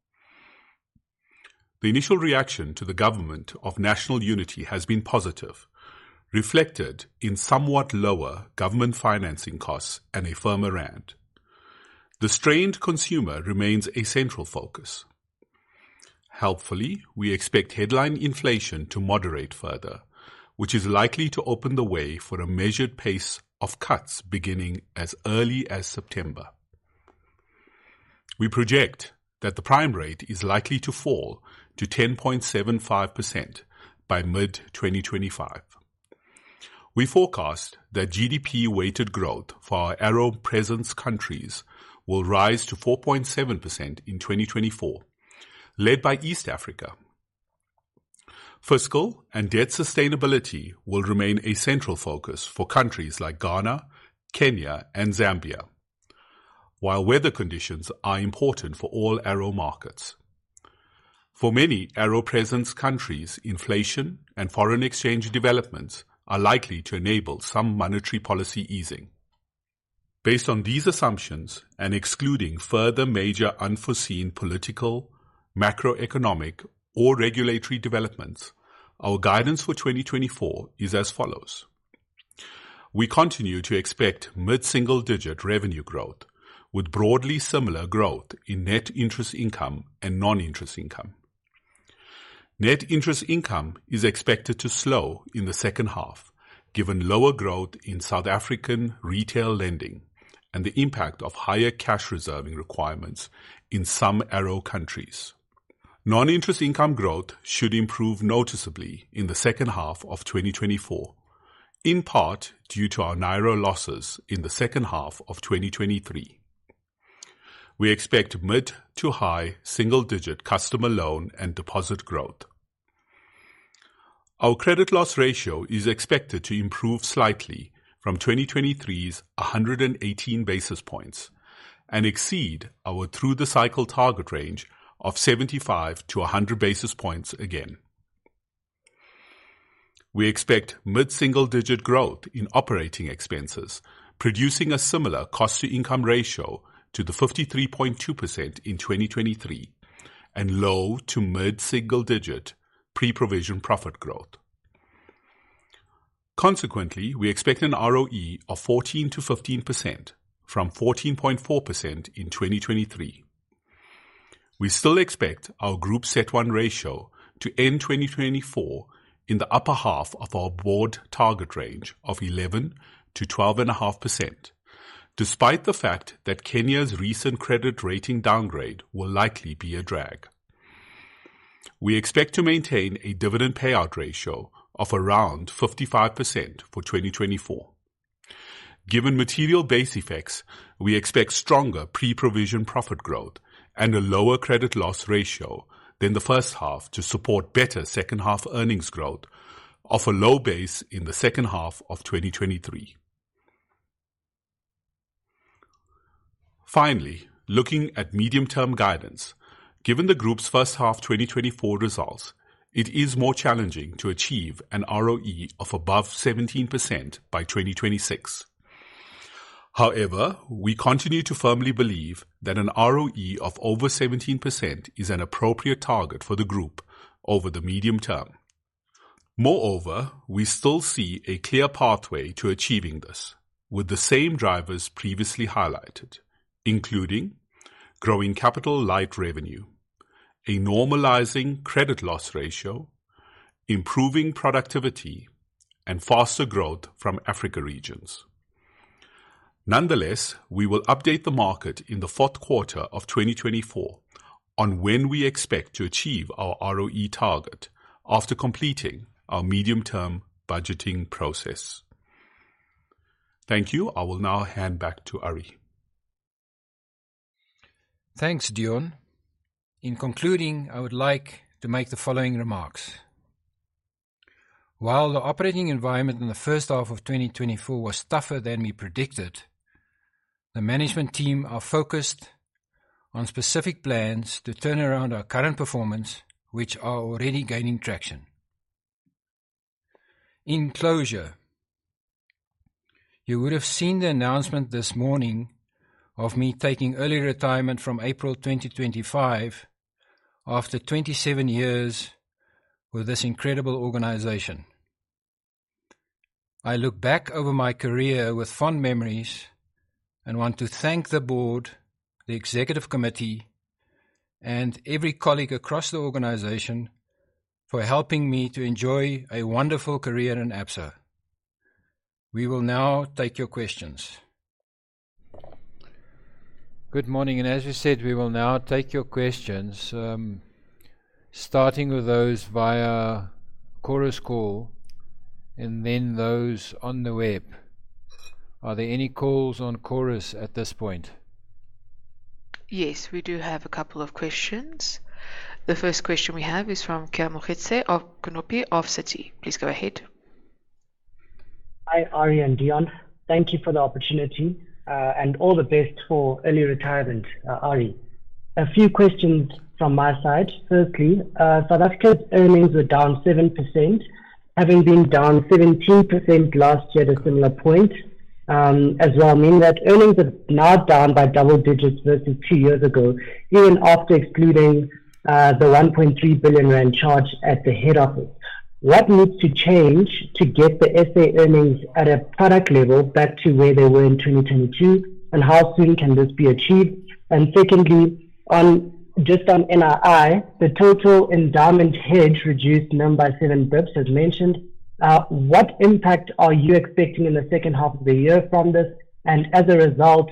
The initial reaction to the Government of National Unity has been positive, reflected in somewhat lower government financing costs and a firmer rand. The strained consumer remains a central focus. Helpfully, we expect headline inflation to moderate further, which is likely to open the way for a measured pace of cuts beginning as early as September. We project that the prime rate is likely to fall to 10.75% by mid-2025. We forecast that GDP weighted growth for our ARO presence countries will rise to 4.7% in 2024, led by East Africa. Fiscal and debt sustainability will remain a central focus for countries like Ghana, Kenya, and Zambia. While weather conditions are important for all ARO markets. For many ARO presence countries, inflation and foreign exchange developments are likely to enable some monetary policy easing. Based on these assumptions, and excluding further major unforeseen political, macroeconomic, or regulatory developments, our guidance for 2024 is as follows: We continue to expect mid-single-digit revenue growth, with broadly similar growth in net interest income and non-interest income. Net interest income is expected to slow in the second half, given lower growth in South African retail lending and the impact of higher cash reserving requirements in some ARO countries. Non-interest income growth should improve noticeably in the second half of 2024, in part due to our narrow losses in the second half of 2023. We expect mid- to high single-digit customer loan and deposit growth. Our credit loss ratio is expected to improve slightly from 2023's 100 and 18 basis points and exceed our through-the-cycle target range of 75 to 100 basis points again. We expect mid-single-digit growth in operating expenses, producing a similar cost-to-income ratio to the 53.2% in 2023 and low- to mid-single-digit pre-provision profit growth. Consequently, we expect an ROE of 14%-15% from 14.4% in 2023. We still expect our group CET1 ratio to end 2024 in the upper half of our board target range of 11%-12.5%, despite the fact that Kenya's recent credit rating downgrade will likely be a drag. We expect to maintain a dividend payout ratio of around 55% for 2024. Given material base effects, we expect stronger pre-provision profit growth and a lower credit loss ratio than the first half to support better second-half earnings growth off a low base in the second half of 2023. Finally, looking at medium-term guidance, given the group's first half 2024 results, it is more challenging to achieve an ROE of above 17% by 2026. However, we continue to firmly believe that an ROE of over 17% is an appropriate target for the group over the medium term. Moreover, we still see a clear pathway to achieving this with the same drivers previously highlighted, including growing capital light revenue, a normalizing credit loss ratio, improving productivity, and faster growth from Africa regions. Nonetheless, we will update the market in the fourth quarter of twenty twenty-four on when we expect to achieve our ROE target after completing our medium-term budgeting process. Thank you. I will now hand back to Ari. Thanks, Deon. In concluding, I would like to make the following remarks. While the operating environment in the first half of twenty twenty-four was tougher than we predicted, the management team are focused on specific plans to turn around our current performance, which are already gaining traction. In closure, you would have seen the announcement this morning of me taking early retirement from April twenty twenty-five after twenty-seven years with this incredible organization. I look back over my career with fond memories and want to thank the board, the executive committee, and every colleague across the organization for helping me to enjoy a wonderful career in Absa. We will now take your questions. Good morning, and as we said, we will now take your questions, starting with those via Chorus Call and then those on the web. Are there any calls on Chorus at this point? Yes, we do have a couple of questions. The first question we have is from Keamogetse Konopi of Citi. Please go ahead. Hi, Arrie and Deon. Thank you for the opportunity, and all the best for early retirement, Arrie. A few questions from my side. Firstly, South Africa's earnings were down 7%, having been down 17% last year at a similar point, as well, meaning that earnings are now down by double digits versus two years ago, even after excluding the 1.3 billion rand charge at the head office. What needs to change to get the SA earnings at a product level back to where they were in 2022, and how soon can this be achieved? And secondly, on just on NII, the total structural hedge reduced NII by seven basis points, as mentioned. What impact are you expecting in the second half of the year from this? As a result,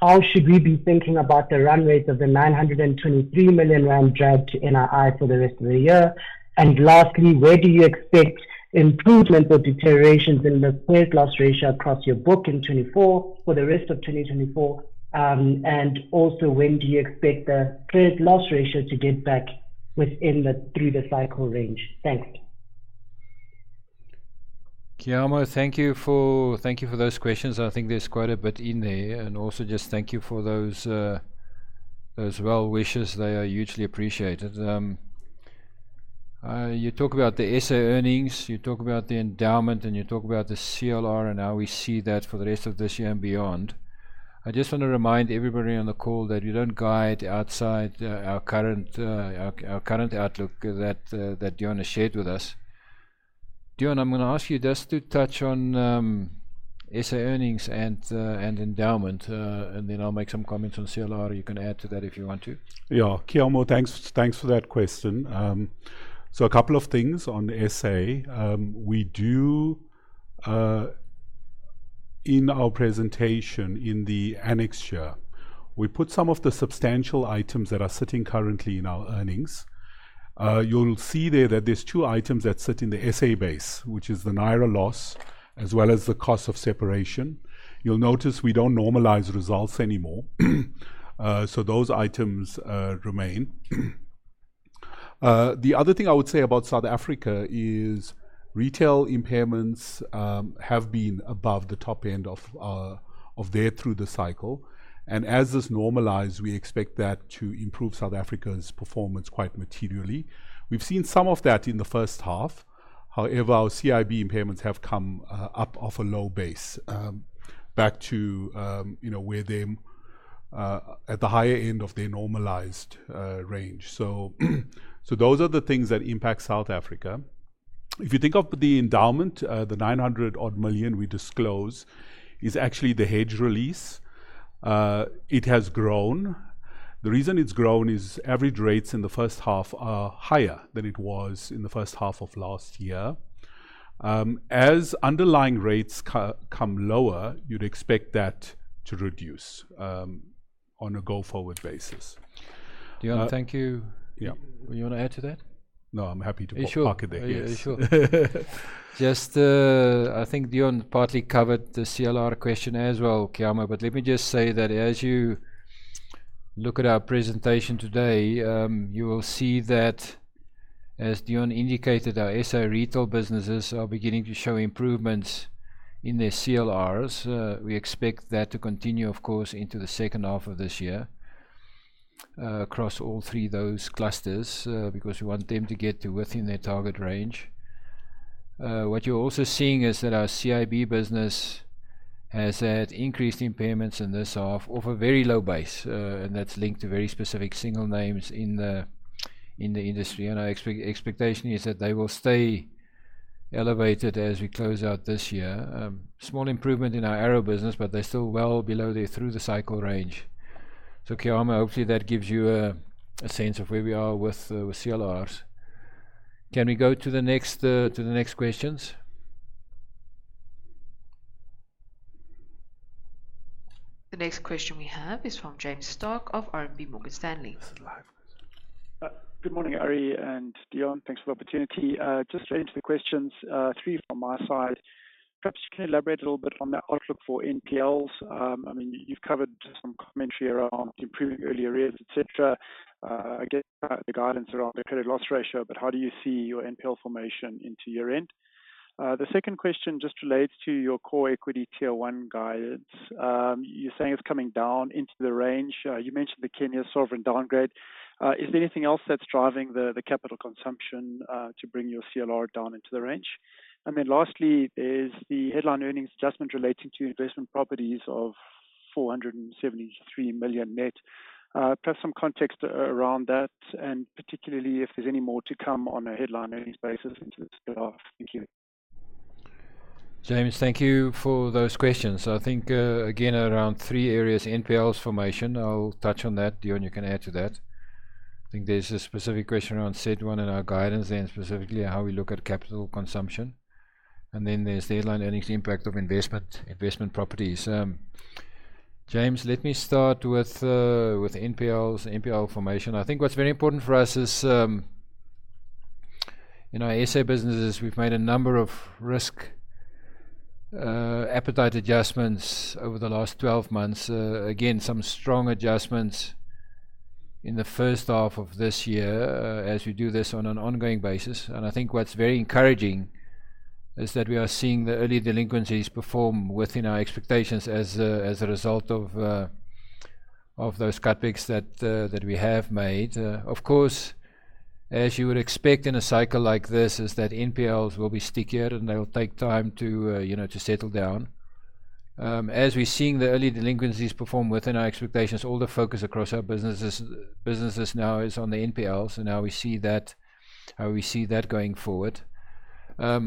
how should we be thinking about the run rate of the 923 million rand drag to NII for the rest of the year? Lastly, where do you expect improvements or deteriorations in the credit loss ratio across your book in 2024, for the rest of 2024? And also, when do you expect the credit loss ratio to get back within the through-the-cycle range? Thanks. ...Khayo, thank you for those questions. I think there's quite a bit in there, and also just thank you for those well wishes. They are hugely appreciated. You talk about the SA earnings, you talk about the endowment, and you talk about the CLR and how we see that for the rest of this year and beyond. I just wanna remind everybody on the call that we don't guide outside our current outlook that Deon shared with us. Deon, I'm gonna ask you just to touch on SA earnings and endowment, and then I'll make some comments on CLR. You can add to that if you want to. Yeah. Keamo, thanks, thanks for that question. So a couple of things on SA. In our presentation, in the annexure, we put some of the substantial items that are sitting currently in our earnings. You'll see there that there's two items that sit in the SA base, which is the Naira loss, as well as the cost of separation. You'll notice we don't normalize results anymore, so those items remain. The other thing I would say about South Africa is retail impairments have been above the top end of their through the cycle, and as this normalizes, we expect that to improve South Africa's performance quite materially. We've seen some of that in the first half. However, our CIB impairments have come up off a low base, back to, you know, where they at the higher end of their normalized range. So those are the things that impact South Africa. If you think of the endowment, the nine hundred odd million we disclose is actually the hedge release. It has grown. The reason it's grown is average rates in the first half are higher than it was in the first half of last year. As underlying rates come lower, you'd expect that to reduce on a go-forward basis. Deon, thank you. Yeah. You wanna add to that? No, I'm happy to park it there. Yeah, sure. Just, I think Deon partly covered the CLR question as well, Okomo, but let me just say that as you look at our presentation today, you will see that, as Deon indicated, our SA retail businesses are beginning to show improvements in their CLRs. We expect that to continue, of course, into the second half of this year, across all three of those clusters, because we want them to get to within their target range. What you're also seeing is that our CIB business has had increased impairments in this half of a very low base, and that's linked to very specific single names in the industry. And our expectation is that they will stay elevated as we close out this year. Small improvement in our ARO business, but they're still well below their through-the-cycle range. Kiomo, hopefully, that gives you a sense of where we are with CLRs. Can we go to the next questions? The next question we have is from James Starke of RMB Morgan Stanley. This is live. Good morning, Arrie and Deon. Thanks for the opportunity. Just three questions from my side. Perhaps you can elaborate a little bit on the outlook for NPLs. I mean, you've covered some commentary around improving early arrears, et cetera. I get the guidance around the credit loss ratio, but how do you see your NPL formation into year-end? The second question just relates to your core equity Tier 1 guidance. You're saying it's coming down into the range. You mentioned the Kenya sovereign downgrade. Is there anything else that's driving the capital consumption to bring your CLR down into the range? And then lastly, there's the headline earnings adjustment relating to investment properties of 473 million net. Perhaps some context around that, and particularly if there's any more to come on a headline earnings basis into this half? Thank you. James, thank you for those questions. I think, again, around three areas, NPLs formation. I'll touch on that. Deon, you can add to that. I think there's a specific question around CET1 and our guidance, and specifically how we look at capital consumption. And then there's the headline earnings impact of investment, investment properties. James, let me start with, with NPLs, NPL formation. I think what's very important for us is, in our SA businesses, we've made a number of risk appetite adjustments over the last twelve months. Again, some strong adjustments in the first half of this year, as we do this on an ongoing basis. And I think what's very encouraging is that we are seeing the early delinquencies perform within our expectations as a result of those cutbacks that we have made. Of course, as you would expect in a cycle like this, is that NPLs will be stickier, and they will take time to, you know, to settle down. As we're seeing the early delinquencies perform within our expectations, all the focus across our businesses now is on the NPLs, and how we see that going forward. I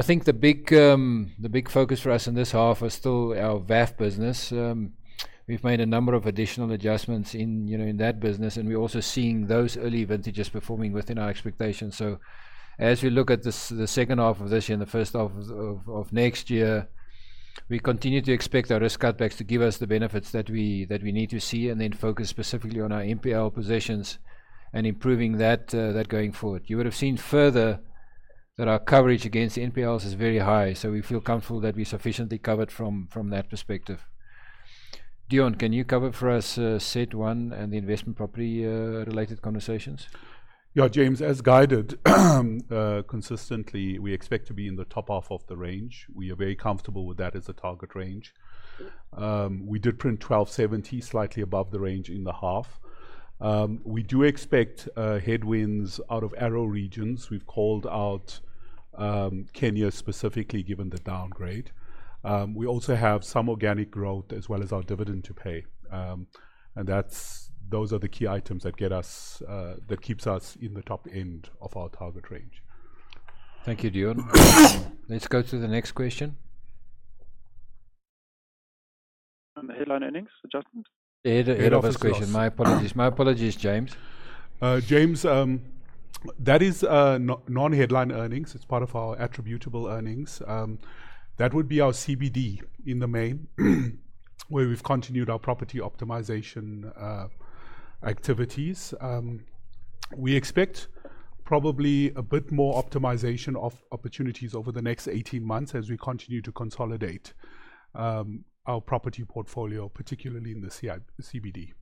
think the big focus for us in this half is still our VAF business. We've made a number of additional adjustments in, you know, in that business, and we're also seeing those early vintages performing within our expectations. As we look at this, the second half of this year and the first half of next year, we continue to expect our risk cutbacks to give us the benefits that we need to see, and then focus specifically on our NPL positions and improving that going forward. You would have seen further that our coverage against NPLs is very high, so we feel comfortable that we're sufficiently covered from that perspective. Deon, can you cover for us CET1 and the investment property related conversations? Yeah, James, as guided consistently, we expect to be in the top half of the range. We are very comfortable with that as a target range. We did print 1270, slightly above the range in the half. We do expect headwinds out of ARO regions. We've called out Kenya specifically, given the downgrade. We also have some organic growth as well as our dividend to pay. And those are the key items that get us that keeps us in the top end of our target range. Thank you, Deon. Let's go to the next question. On the headline earnings adjustment? Head office question. My apologies, James. James, that is non-headline earnings. It's part of our attributable earnings. That would be our CBD in the main, where we've continued our property optimization activities. We expect probably a bit more optimization of opportunities over the next eighteen months as we continue to consolidate our property portfolio, particularly in the CBD.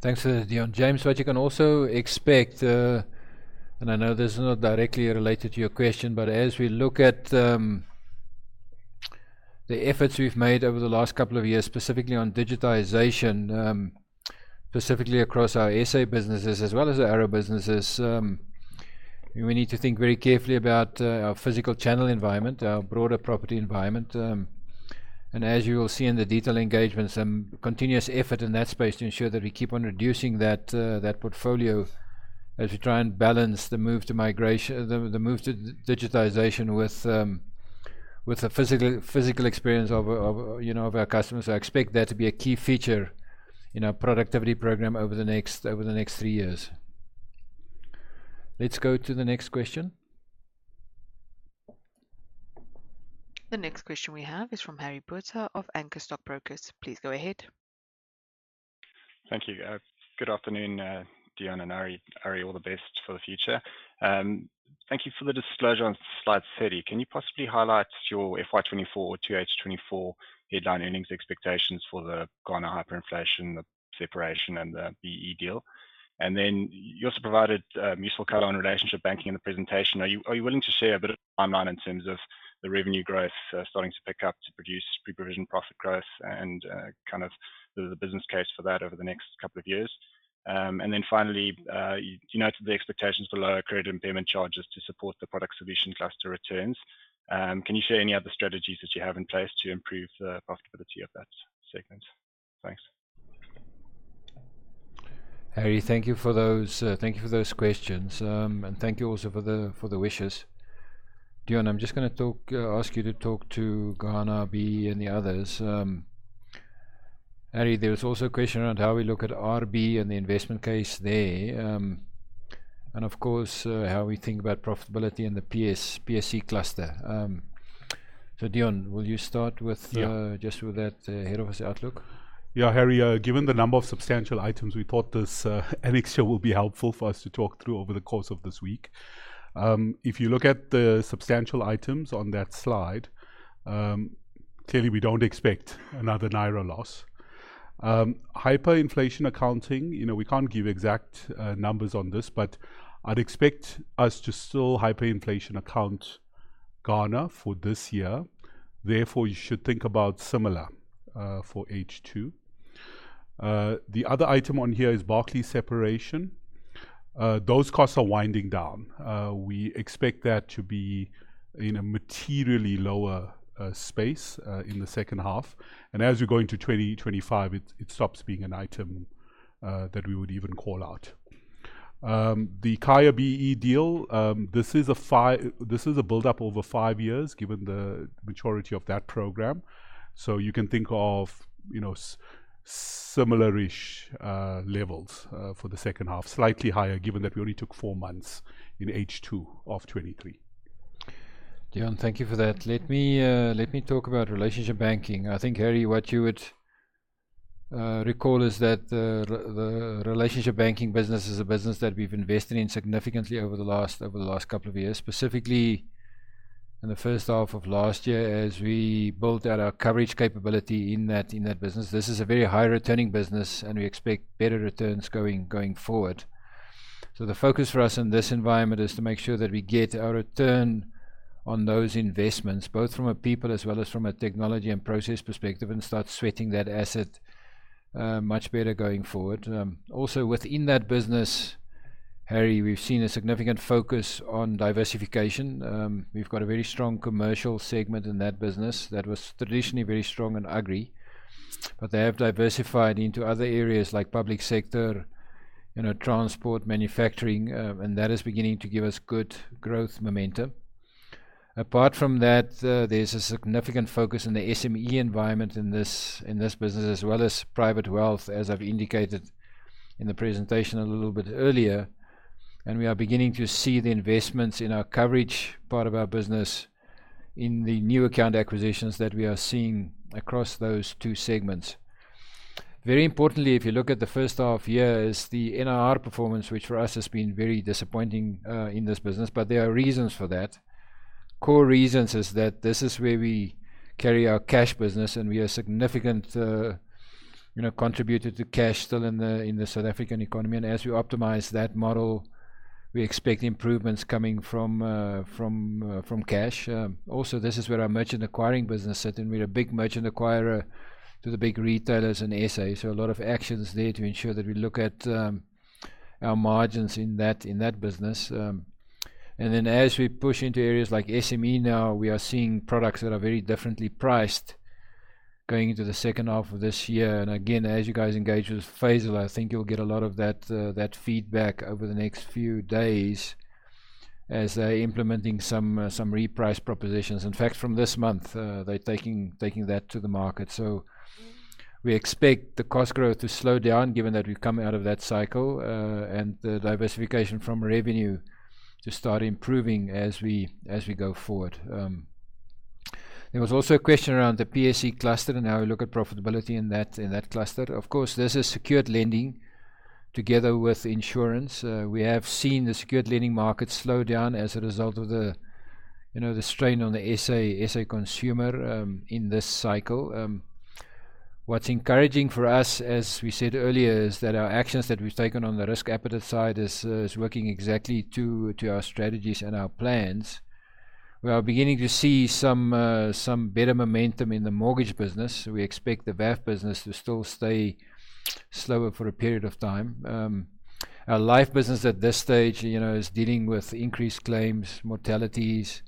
Thanks to Deon. James, what you can also expect, and I know this is not directly related to your question, but as we look at the efforts we've made over the last couple of years, specifically on digitization, specifically across our SA businesses as well as the ARO businesses, we need to think very carefully about our physical channel environment, our broader property environment. And as you will see in the detail engagements, continuous effort in that space to ensure that we keep on reducing that portfolio as we try and balance the move to migration, the move to digitization with the physical experience of, you know, of our customers. I expect that to be a key feature in our productivity program over the next three years. Let's go to the next question. The next question we have is from Harry Botha of Anchor Stockbrokers. Please go ahead. Thank you. Good afternoon, Deon and Harry. Harry, all the best for the future. Thank you for the disclosure on slide 30. Can you possibly highlight your FY 2024, 2H 2024 headline earnings expectations for the Ghana hyperinflation, the separation, and the BEE deal? And then you also provided useful color on Relationship Banking in the presentation. Are you willing to share a bit of timeline in terms of the revenue growth starting to pick up to produce pre-provision profit growth and kind of the business case for that over the next couple of years? And then finally, you noted the expectations for lower credit impairment charges to support the Product Solutions Cluster returns. Can you share any other strategies that you have in place to improve the profitability of that segment? Thanks. Harry, thank you for those questions. And thank you also for the wishes. Deon, I'm just gonna ask you to talk to Ghana, BEE and the others. Harry, there was also a question around how we look at RB and the investment case there, and of course, how we think about profitability in the PSC cluster. So, Deon, will you start with. Yeah... just with that, head office outlook? Yeah, Harry, given the number of substantial items, we thought this annexure will be helpful for us to talk through over the course of this week. If you look at the substantial items on that slide, clearly, we don't expect another Naira loss. Hyperinflation accounting, you know, we can't give exact numbers on this, but I'd expect us to still hyperinflation account Ghana for this year. Therefore, you should think about similar for H2. The other item on here is Barclays separation. Those costs are winding down. We expect that to be in a materially lower space in the second half, and as we go into twenty twenty-five, it stops being an item that we would even call out. The Ikhaya BEE deal, this is a fi... This is a buildup over five years, given the maturity of that program. So you can think of, you know, similar-ish levels for the second half, slightly higher, given that we only took four months in H2 of 2023. Deon, thank you for that. Let me talk about Relationship Banking. I think, Harry, what you would recall is that the Relationship Banking business is a business that we've invested in significantly over the last couple of years, specifically in the first half of last year, as we built out our coverage capability in that business. This is a very high-returning business, and we expect better returns going forward, so the focus for us in this environment is to make sure that we get our return on those investments, both from a people as well as from a technology and process perspective, and start sweating that asset much better going forward. Also within that business, Harry, we've seen a significant focus on diversification. We've got a very strong commercial segment in that business that was traditionally very strong and agri, but they have diversified into other areas like public sector, you know, transport, manufacturing, and that is beginning to give us good growth momentum. Apart from that, there's a significant focus in the SME environment in this business, as well as private wealth, as I've indicated in the presentation a little bit earlier. And we are beginning to see the investments in our coverage part of our business in the new account acquisitions that we are seeing across those two segments. Very importantly, if you look at the first half year, is the NIR performance, which for us has been very disappointing in this business, but there are reasons for that. Core reasons is that this is where we carry our cash business, and we are significant, you know, contributor to cash still in the South African economy. And as we optimize that model, we expect improvements coming from cash. Also, this is where our merchant acquiring business sit, and we're a big merchant acquirer to the big retailers in SA. So a lot of actions there to ensure that we look at our margins in that business. And then as we push into areas like SME now, we are seeing products that are very differently priced going into the second half of this year. And again, as you guys engage with Faisal, I think you'll get a lot of that feedback over the next few days as they're implementing some reprice propositions. In fact, from this month, they're taking that to the market. So we expect the cost growth to slow down, given that we're coming out of that cycle, and the diversification from revenue to start improving as we go forward. There was also a question around the PSC cluster and how we look at profitability in that cluster. Of course, this is secured lending together with insurance. We have seen the secured lending market slow down as a result of the, you know, the strain on the SA consumer, in this cycle. What's encouraging for us, as we said earlier, is that our actions that we've taken on the risk appetite side is working exactly to our strategies and our plans. We are beginning to see some better momentum in the mortgage business. We expect the VAF business to still stay slower for a period of time. Our life business at this stage, you know, is dealing with increased claims, mortalities,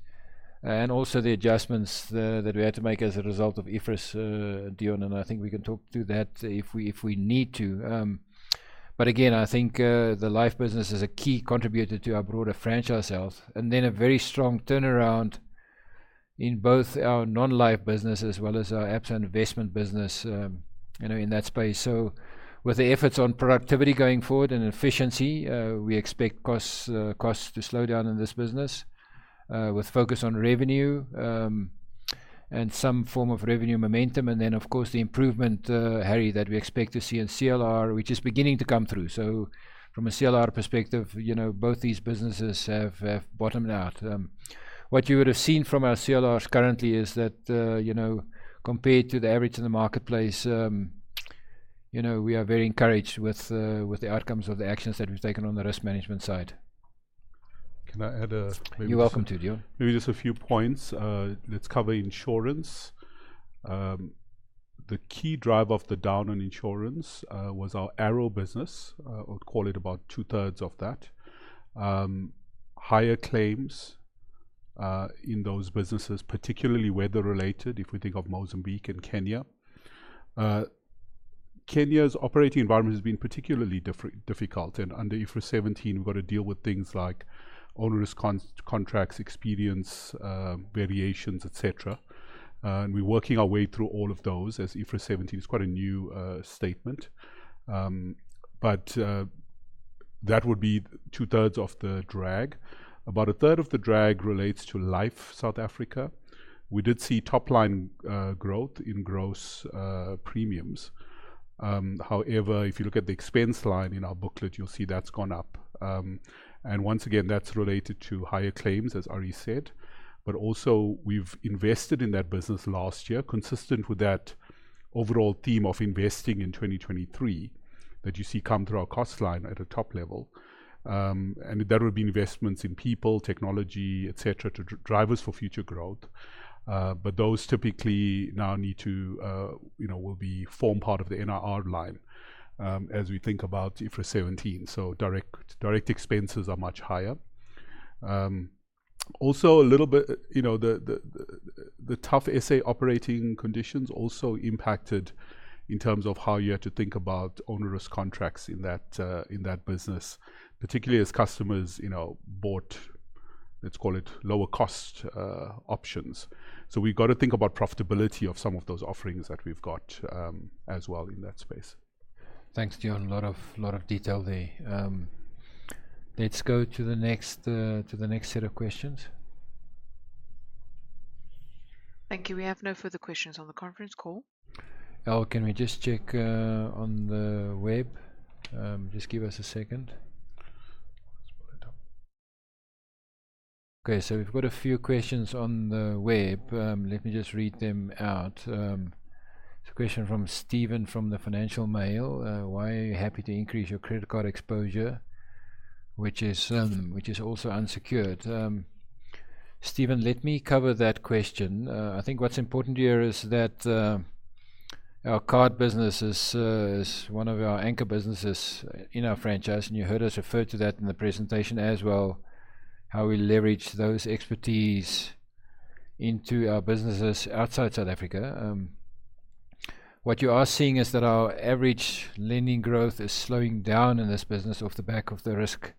and also the adjustments that we had to make as a result of IFRS, Deon, and I think we can talk to that if we need to, but again, I think the life business is a key contributor to our broader franchise health, and then a very strong turnaround in both our non-life business as well as our Absa investment business, you know, in that space, so with the efforts on productivity going forward and efficiency, we expect costs to slow down in this business, with focus on revenue, and some form of revenue momentum. And then, of course, the improvement, Harry, that we expect to see in CLR, which is beginning to come through. So from a CLR perspective, you know, both these businesses have bottomed out. What you would have seen from our CLRs currently is that, you know, compared to the average in the marketplace, you know, we are very encouraged with the outcomes of the actions that we've taken on the risk management side. Can I add, maybe- You're welcome, Deon. Maybe just a few points. Let's cover insurance. The key driver of the down on insurance was our ARO business. I would call it about two-thirds of that. Higher claims in those businesses, particularly weather-related, if we think of Mozambique and Kenya. Kenya's operating environment has been particularly difficult, and under IFRS 17, we've got to deal with things like onerous contracts, experience variations, et cetera. And we're working our way through all of those as IFRS 17 is quite a new statement. But that would be two-thirds of the drag. About a third of the drag relates to Life South Africa. We did see top-line growth in gross premiums. However, if you look at the expense line in our booklet, you'll see that's gone up. And once again, that's related to higher claims, as Arrie said. But also, we've invested in that business last year, consistent with that overall theme of investing in 2023, that you see come through our cost line at a top level. And there will be investments in people, technology, et cetera, to drivers for future growth. But those typically now need to, you know, will be form part of the NRR line, as we think about IFRS 17. So direct expenses are much higher. Also a little bit, you know, the tough SA operating conditions also impacted in terms of how you had to think about onerous contracts in that business, particularly as customers, you know, bought, let's call it, lower cost options. So we've got to think about profitability of some of those offerings that we've got, as well in that space. Thanks, Deon. A lot of detail there. Let's go to the next set of questions. Thank you. We have no further questions on the conference call. Oh, can we just check on the web? Just give us a second. Okay, so we've got a few questions on the web. Let me just read them out. It's a question from Stephen, from the Financial Mail: "Why are you happy to increase your credit card exposure, which is, which is also unsecured?" Stephen, let me cover that question. I think what's important here is that, our card business is, is one of our anchor businesses in our franchise, and you heard us refer to that in the presentation as well, how we leverage those expertise into our businesses outside South Africa. What you are seeing is that our average lending growth is slowing down in this business off the back of the risk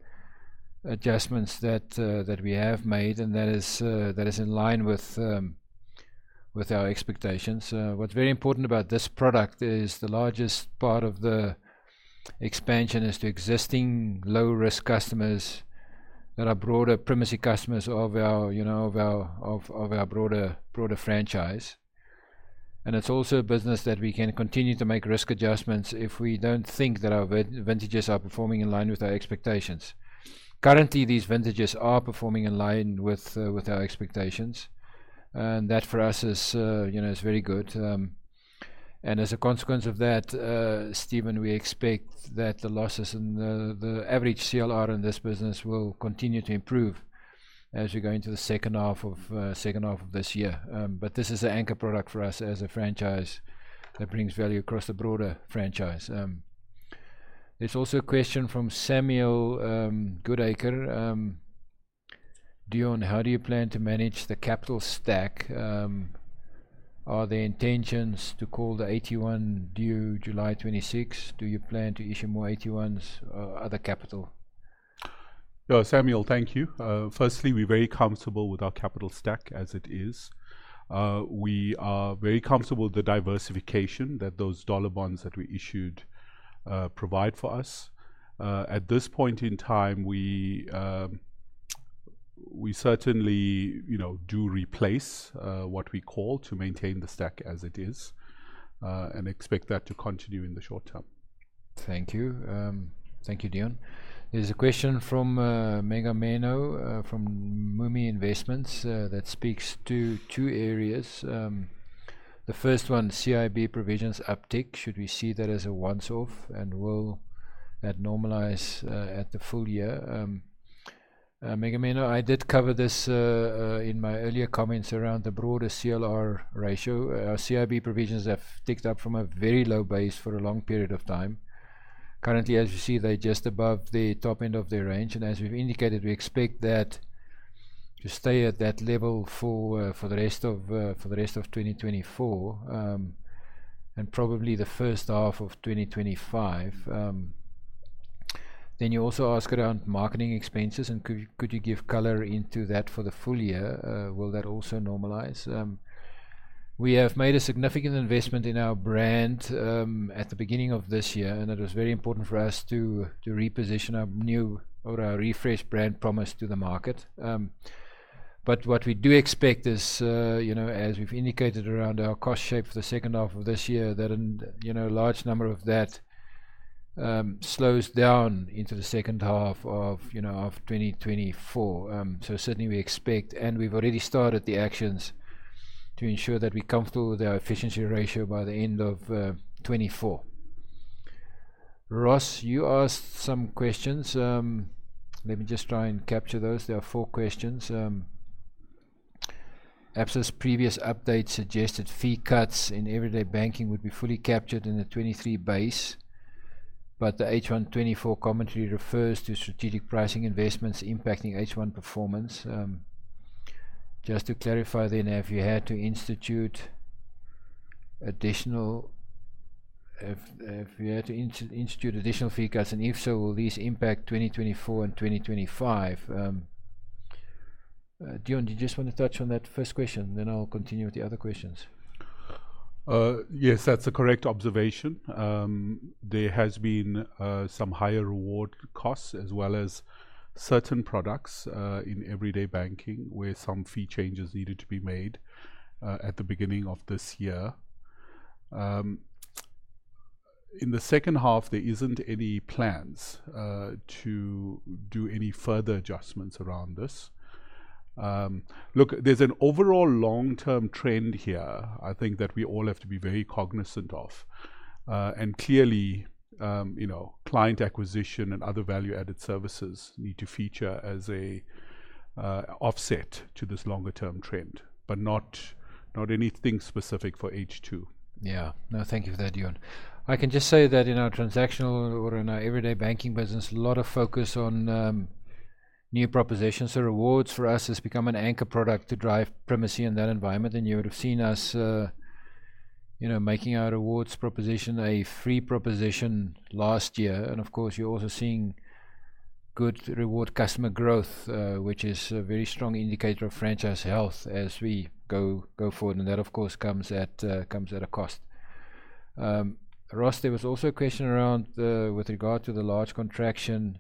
adjustments that we have made, and that is in line with our expectations. What's very important about this product is the largest part of the expansion is to existing low-risk customers that are broader primacy customers of our, you know, of our broader franchise... and it's also a business that we can continue to make risk adjustments if we don't think that our vintages are performing in line with our expectations. Currently, these vintages are performing in line with our expectations, and that for us is, you know, is very good. And as a consequence of that, Stephen, we expect that the losses and the average CLR in this business will continue to improve as we go into the second half of this year. But this is an anchor product for us as a franchise that brings value across the broader franchise. There's also a question from Samuel Goodacre. Deon, how do you plan to manage the capital stack? Are there intentions to call the AT1 due July twenty-sixth? Do you plan to issue more AT1s or other capital? Samuel, thank you. Firstly, we're very comfortable with our capital stack as it is. We are very comfortable with the diversification that those dollar bonds that we issued provide for us. At this point in time, we certainly, you know, do replace what we call to maintain the stack as it is, and expect that to continue in the short term. Thank you. Thank you, Deon. There's a question from Meghamenu from Moomie Investments that speaks to two areas. The first one, CIB provisions uptick. Should we see that as a once-off, and will that normalize at the full year? Meghamenu, I did cover this in my earlier comments around the broader CLR ratio. Our CIB provisions have ticked up from a very low base for a long period of time. Currently, as you see, they're just above the top end of their range, and as we've indicated, we expect that to stay at that level for the rest of twenty twenty-four, and probably the first half of twenty twenty-five. Then you also ask around marketing expenses, and could you give color into that for the full year? Will that also normalize? We have made a significant investment in our brand at the beginning of this year, and it was very important for us to reposition our new or our refreshed brand promise to the market, but what we do expect is, you know, as we've indicated around our cost shape for the second half of this year, that, you know, a large number of that slows down into the second half of, you know, of twenty twenty-four, so certainly we expect, and we've already started the actions to ensure that we're comfortable with our efficiency ratio by the end of twenty-four. Ross, you asked some questions. Let me just try and capture those. There are four questions. Absa's previous update suggested fee cuts in Everyday Banking would be fully captured in the 2023 base, but the H1 24 commentary refers to strategic pricing investments impacting H1 performance. Just to clarify then, have you had to institute additional fee cuts, and if so, will these impact 2024 and 2025? Deon, do you just wanna touch on that first question, then I'll continue with the other questions. Yes, that's a correct observation. There has been some higher reward costs, as well as certain products in Everyday Banking, where some fee changes needed to be made at the beginning of this year. In the second half, there isn't any plans to do any further adjustments around this. Look, there's an overall long-term trend here I think that we all have to be very cognizant of, and clearly, you know, client acquisition and other value-added services need to feature as a offset to this longer-term trend, but not anything specific for H2. Yeah. No, thank you for that, Deon. I can just say that in our transactional or in our Everyday Banking business, a lot of focus on new propositions. So rewards for us has become an anchor product to drive primacy in that environment, and you would have seen us, you know, making our rewards proposition a free proposition last year. And of course, you're also seeing good reward customer growth, which is a very strong indicator of franchise health as we go forward, and that, of course, comes at a cost. Ross, there was also a question around the, with regard to the large contraction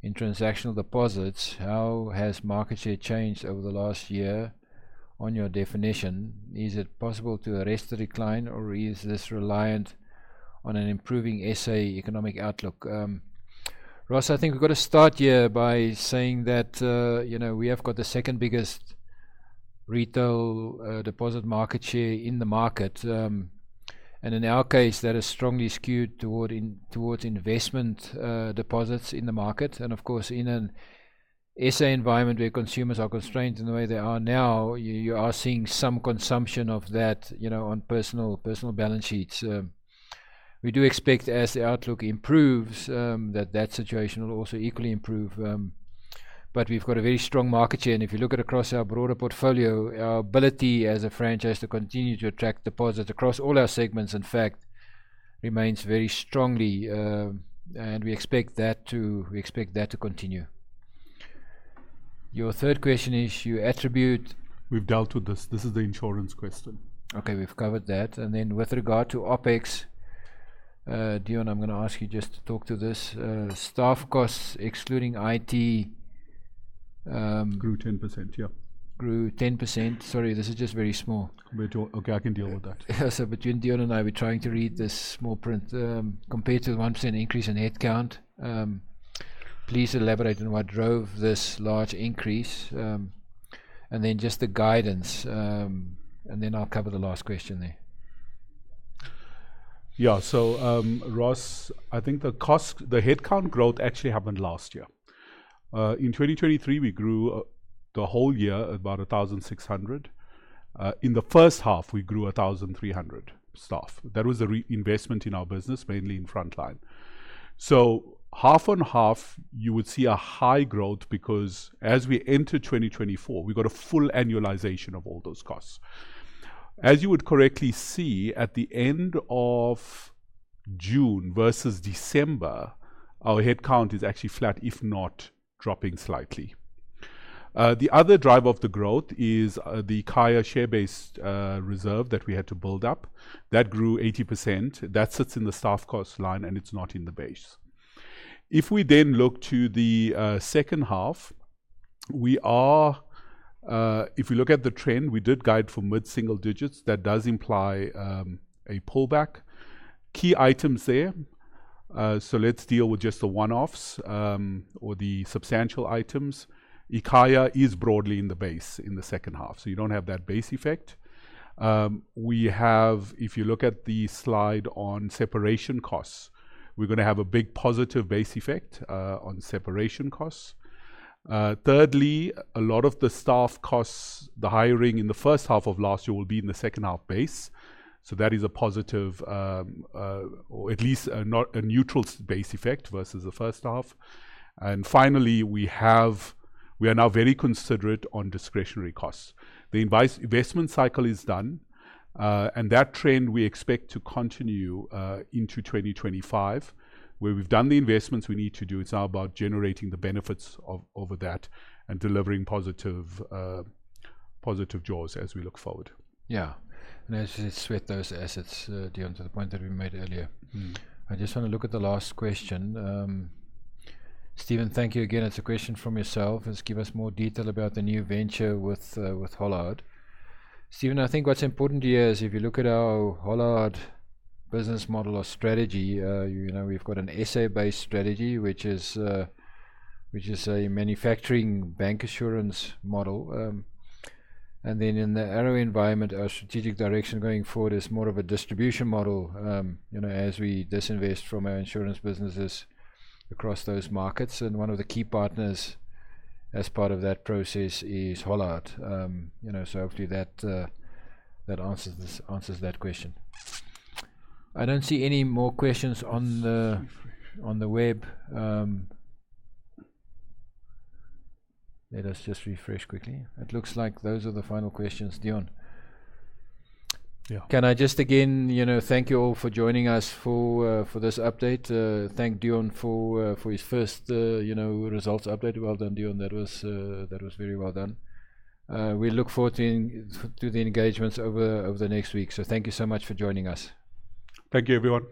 in transactional deposits. How has market share changed over the last year on your definition? Is it possible to arrest the decline, or is this reliant on an improving SA economic outlook? Ross, I think we've got to start here by saying that, you know, we have got the second biggest retail deposit market share in the market. And in our case, that is strongly skewed towards investment deposits in the market. And of course, in an SA environment where consumers are constrained in the way they are now, you are seeing some consumption of that, you know, on personal balance sheets. We do expect as the outlook improves, that situation will also equally improve. But we've got a very strong market share, and if you look at across our broader portfolio, our ability as a franchise to continue to attract deposits across all our segments, in fact, remains very strongly. And we expect that to continue. Your third question is, you attribute- We've dealt with this. This is the insurance question. Okay, we've covered that. And then with regard to OpEx, Deon, I'm gonna ask you just to talk to this. Staff costs, excluding IT-... grew 10%, yeah. Grew 10%. Sorry, this is just very small. Okay, I can deal with that. So between Deon and I, we're trying to read this small print. Compared to the 1% increase in headcount, please elaborate on what drove this large increase? And then just the guidance, and then I'll cover the last question there. Yeah. So, Ross, I think the cost - the headcount growth actually happened last year. In 2023, we grew the whole year, about 1,600. In the first half, we grew 1,300 staff. That was a re-investment in our business, mainly in frontline. So half on half, you would see a high growth because as we enter 2024, we got a full annualization of all those costs. As you would correctly see, at the end of June versus December, our headcount is actually flat, if not dropping slightly. The other driver of the growth is the Ikhaya share-based reserve that we had to build up. That grew 80%. That sits in the staff cost line, and it's not in the base. If we then look to the second half, we are... If we look at the trend, we did guide for mid-single digits. That does imply a pullback. Key items there, so let's deal with just the one-offs or the substantial items. Ikhaya is broadly in the base in the second half, so you don't have that base effect. We have. If you look at the slide on separation costs, we're gonna have a big positive base effect on separation costs. Thirdly, a lot of the staff costs, the hiring in the first half of last year will be in the second half base, so that is a positive or at least a not a neutral base effect versus the first half. Finally, we have we are now very considerate on discretionary costs. The investment cycle is done, and that trend we expect to continue into 2025, where we've done the investments we need to do. It's now about generating the benefits of over that and delivering positive jaws as we look forward. Yeah, and as you sweat those assets, Deon, to the point that we made earlier. Mm-hmm. I just wanna look at the last question. Steven, thank you again. It's a question from yourself. "Just give us more detail about the new venture with, with Hollard." Steven, I think what's important here is if you look at our Hollard business model or strategy, you know, we've got an SA-based strategy, which is, which is a manufacturing bancassurance model, and then in the ARO environment, our strategic direction going forward is more of a distribution model, you know, as we disinvest from our insurance businesses across those markets, and one of the key partners as part of that process is Hollard. You know, so hopefully that, that answers this, answers that question. I don't see any more questions on the- Let's refresh. -on the web. Let us just refresh quickly. It looks like those are the final questions, Deon. Yeah. Can I just again, you know, thank you all for joining us for this update? Thank Deon for his first, you know, results update. Well done, Deon. That was very well done. We look forward to the engagements over the next week. So thank you so much for joining us. Thank you, everyone.